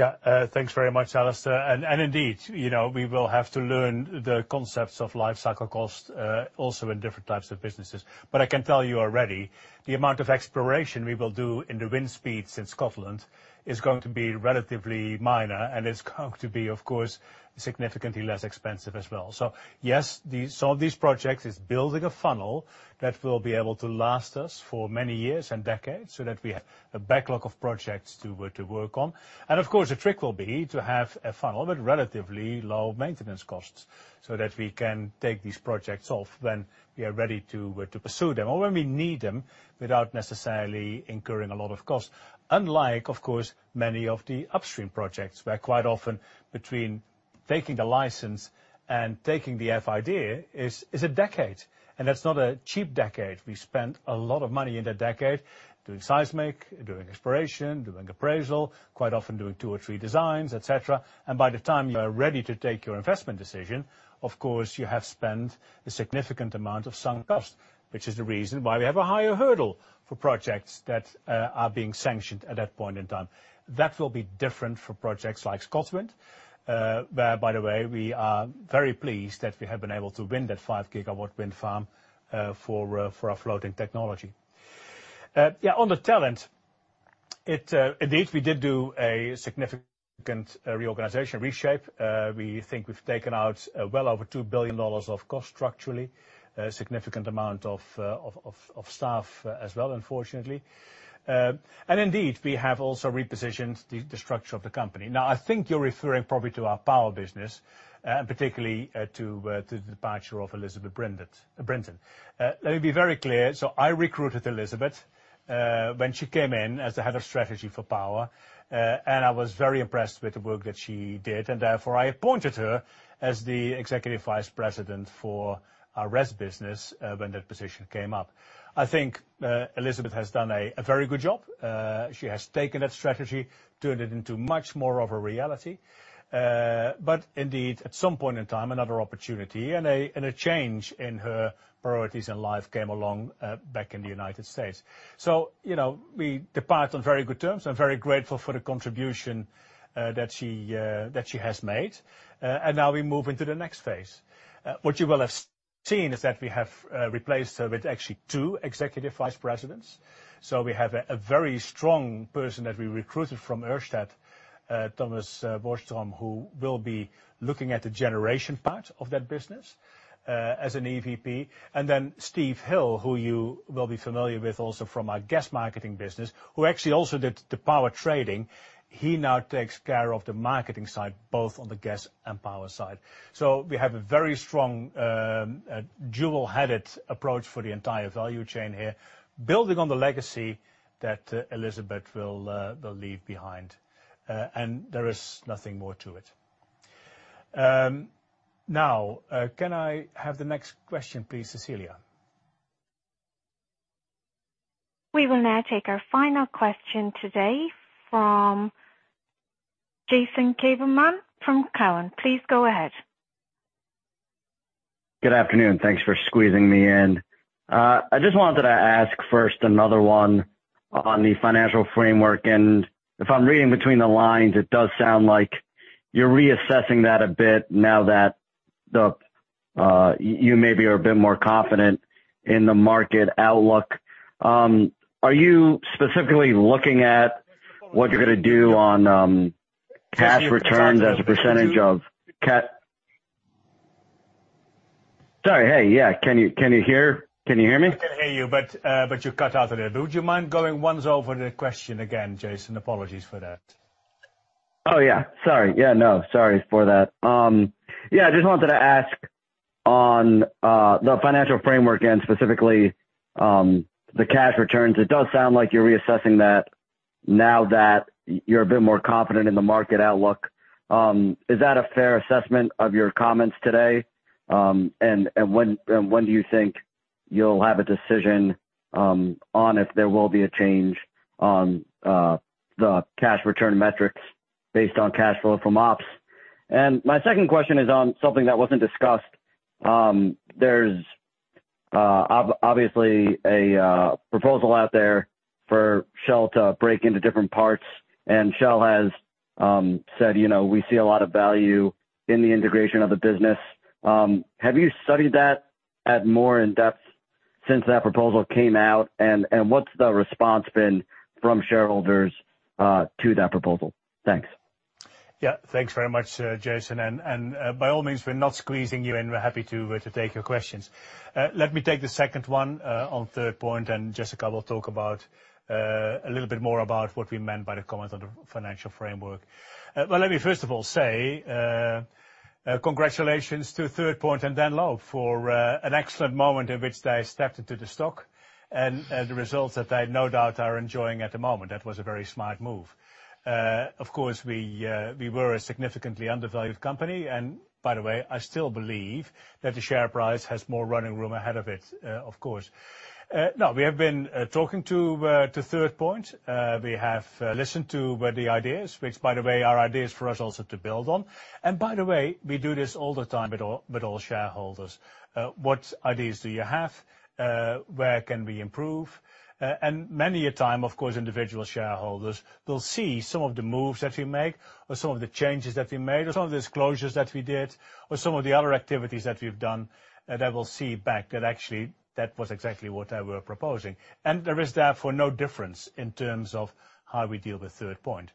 Yeah. Thanks very much, Alastair. Indeed, you know, we will have to learn the concepts of lifecycle cost also in different types of businesses. I can tell you already the amount of exploration we will do in the wind space in ScotWind is going to be relatively minor, and it's going to be, of course, significantly less expensive as well. Yes, some of these projects is building a funnel that will be able to last us for many years and decades so that we have a backlog of projects to work on. Of course, the trick will be to have a funnel with relatively low maintenance costs so that we can take these projects off when we are ready to pursue them or when we need them without necessarily incurring a lot of costs. Unlike, of course, many of the upstream projects, where quite often between taking the license and taking the FID is a decade, and that's not a cheap decade. We spent a lot of money in that decade doing seismic, doing exploration, doing appraisal, quite often doing two or three designs, et cetera. By the time you are ready to take your investment decision, of course, you have spent a significant amount of sunk cost, which is the reason why we have a higher hurdle for projects that are being sanctioned at that point in time. That will be different for projects like ScotWind, where by the way, we are very pleased that we have been able to win that 5 GW wind farm for our floating technology. On the talent, indeed, we did do a significant reorganization reshape. We think we've taken out well over $2 billion of cost structurally, a significant amount of staff as well, unfortunately. Indeed, we have also repositioned the structure of the company. I think you're referring probably to our power business and particularly to the departure of Elisabeth Brinton. Let me be very clear. I recruited Elisabeth when she came in as the head of strategy for power, and I was very impressed with the work that she did, and therefore I appointed her as the Executive Vice President for our Renewables and Energy Solutions business when that position came up. I think Elisabeth has done a very good job. She has taken that strategy, turned it into much more of a reality. Indeed, at some point in time, another opportunity and a change in her priorities in life came along back in the United States. You know, we depart on very good terms. I'm very grateful for the contribution that she has made. Now we move into the next phase. What you will have seen is that we have replaced her with actually two executive vice presidents. We have a very strong person that we recruited from Ørsted, Thomas Brostrøm, who will be looking at the generation part of that business as an EVP. Then Steve Hill, who you will be familiar with also from our gas marketing business, who actually also did the power trading. He now takes care of the marketing side, both on the gas and power side. We have a very strong dual-headed approach for the entire value chain here, building on the legacy that Elisabeth will leave behind. There is nothing more to it. Can I have the next question, please, Cecilia? We will now take our final question today from Jason Gabelman from Cowen. Please go ahead. Good afternoon. Thanks for squeezing me in. I just wanted to ask first another one on the financial framework. If I'm reading between the lines, it does sound like you're reassessing that a bit now that you maybe are a bit more confident in the market outlook. Are you specifically looking at what you're gonna do on cash returns as a percentage of? Sorry. Hey, yeah. Can you hear me? I can hear you, but you cut out a little. Would you mind going once over the question again, Jason? Apologies for that. Oh, yeah. Sorry. Yeah, no. Sorry for that. Yeah, I just wanted to ask on the financial framework and specifically the cash returns. It does sound like you're reassessing that now that you're a bit more confident in the market outlook. Is that a fair assessment of your comments today? When do you think you'll have a decision on if there will be a change on the cash return metrics based on cash flow from ops? My second question is on something that wasn't discussed. There's obviously a proposal out there for Shell to break into different parts, and Shell has said, you know, we see a lot of value in the integration of the business. Have you studied that more in depth since that proposal came out? What's the response been from shareholders to that proposal? Thanks. Yeah. Thanks very much, Jason. By all means, we're not squeezing you in. We're happy to take your questions. Let me take the second one on Third Point, and Jessica will talk about a little bit more about what we meant by the comment on the financial framework. Let me first of all say congratulations to Third Point and Dan Loeb for an excellent moment in which they stepped into the stock and the results that they no doubt are enjoying at the moment. That was a very smart move. Of course, we were a significantly undervalued company, and by the way, I still believe that the share price has more running room ahead of it, of course. Now, we have been talking to Third Point. We have listened to what the ideas, which by the way, are ideas for us also to build on. By the way, we do this all the time with all shareholders. What ideas do you have? Where can we improve? Many a time, of course, individual shareholders will see some of the moves that we make or some of the changes that we made or some of the disclosures that we did or some of the other activities that we've done, that they will see back that actually that was exactly what they were proposing. There is therefore no difference in terms of how we deal with Third Point.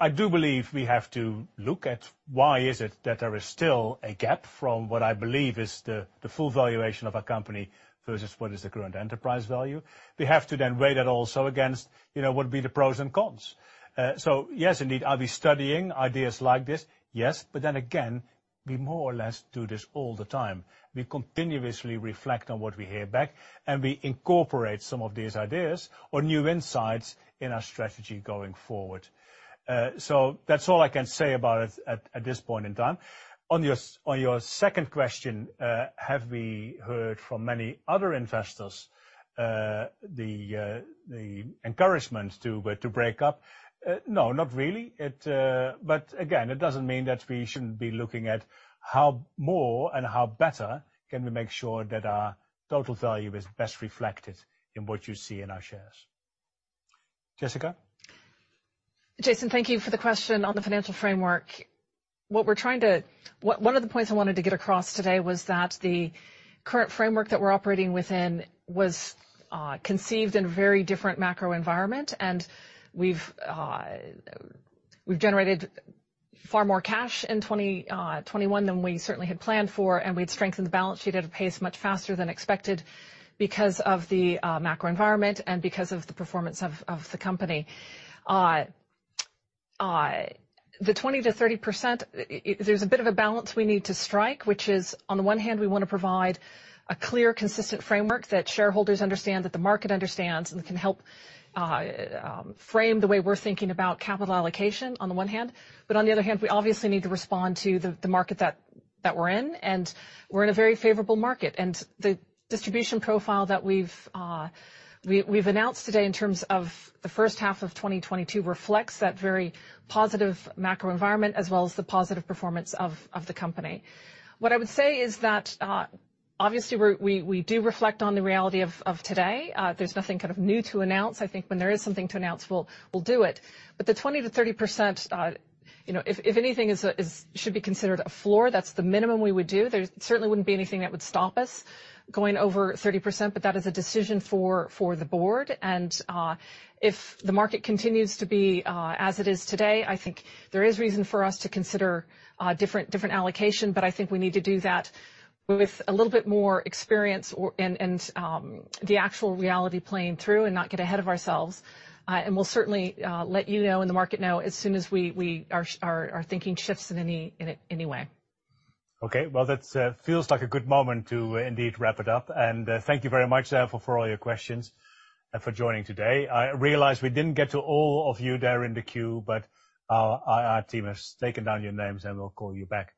I do believe we have to look at why is it that there is still a gap from what I believe is the full valuation of our company versus what is the current enterprise value. We have to then weigh that also against, you know, what would be the pros and cons. Yes, indeed, are we studying ideas like this? Yes. But then again, we more or less do this all the time. We continuously reflect on what we hear back, and we incorporate some of these ideas or new insights in our strategy going forward. That's all I can say about it at this point in time. On your second question, have we heard from many other investors the encouragement to break up? No, not really. It... Again, it doesn't mean that we shouldn't be looking at how more and how better can we make sure that our total value is best reflected in what you see in our shares. Jessica? Jason, thank you for the question on the financial framework. One of the points I wanted to get across today was that the current framework that we're operating within was conceived in very different macro environment. We've generated far more cash in 2021 than we certainly had planned for, and we'd strengthened the balance sheet at a pace much faster than expected because of the macro environment and because of the performance of the company. The 20%-30%, there's a bit of a balance we need to strike, which is, on the one hand, we wanna provide a clear, consistent framework that shareholders understand, that the market understands, and can help frame the way we're thinking about capital allocation on the one hand. On the other hand, we obviously need to respond to the market that we're in, and we're in a very favorable market. The distribution profile that we've announced today in terms of the first half of 2022 reflects that very positive macro environment as well as the positive performance of the company. What I would say is that, obviously, we do reflect on the reality of today. There's nothing kind of new to announce. I think when there is something to announce, we'll do it. The 20%-30%, you know, if anything should be considered a floor, that's the minimum we would do. There certainly wouldn't be anything that would stop us going over 30%, but that is a decision for the board. If the market continues to be as it is today, I think there is reason for us to consider different allocation. I think we need to do that with a little bit more experience and the actual reality playing through and not get ahead of ourselves. We'll certainly let you know and the market know as soon as our thinking shifts in any way. Okay. Well, that feels like a good moment to indeed wrap it up. Thank you very much for all your questions and for joining today. I realize we didn't get to all of you there in the queue, but our IR team has taken down your names, and we'll call you back.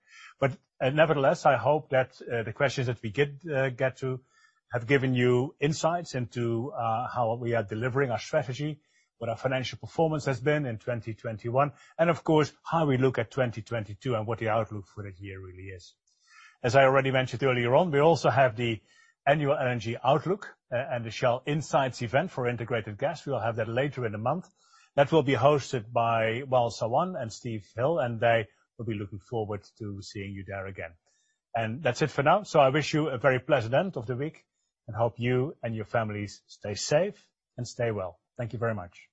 Nevertheless, I hope that the questions that we get to have given you insights into how we are delivering our strategy, what our financial performance has been in 2021 and, of course, how we look at 2022 and what the outlook for the year really is. As I already mentioned earlier on, we also have the Annual Energy Outlook and the Shell Insights event for integrated gas. We'll have that later in the month. That will be hosted by Wael Sawan and Steve Hill, and they will be looking forward to seeing you there again. That's it for now. I wish you a very pleasant end of the week and hope you and your families stay safe and stay well. Thank you very much.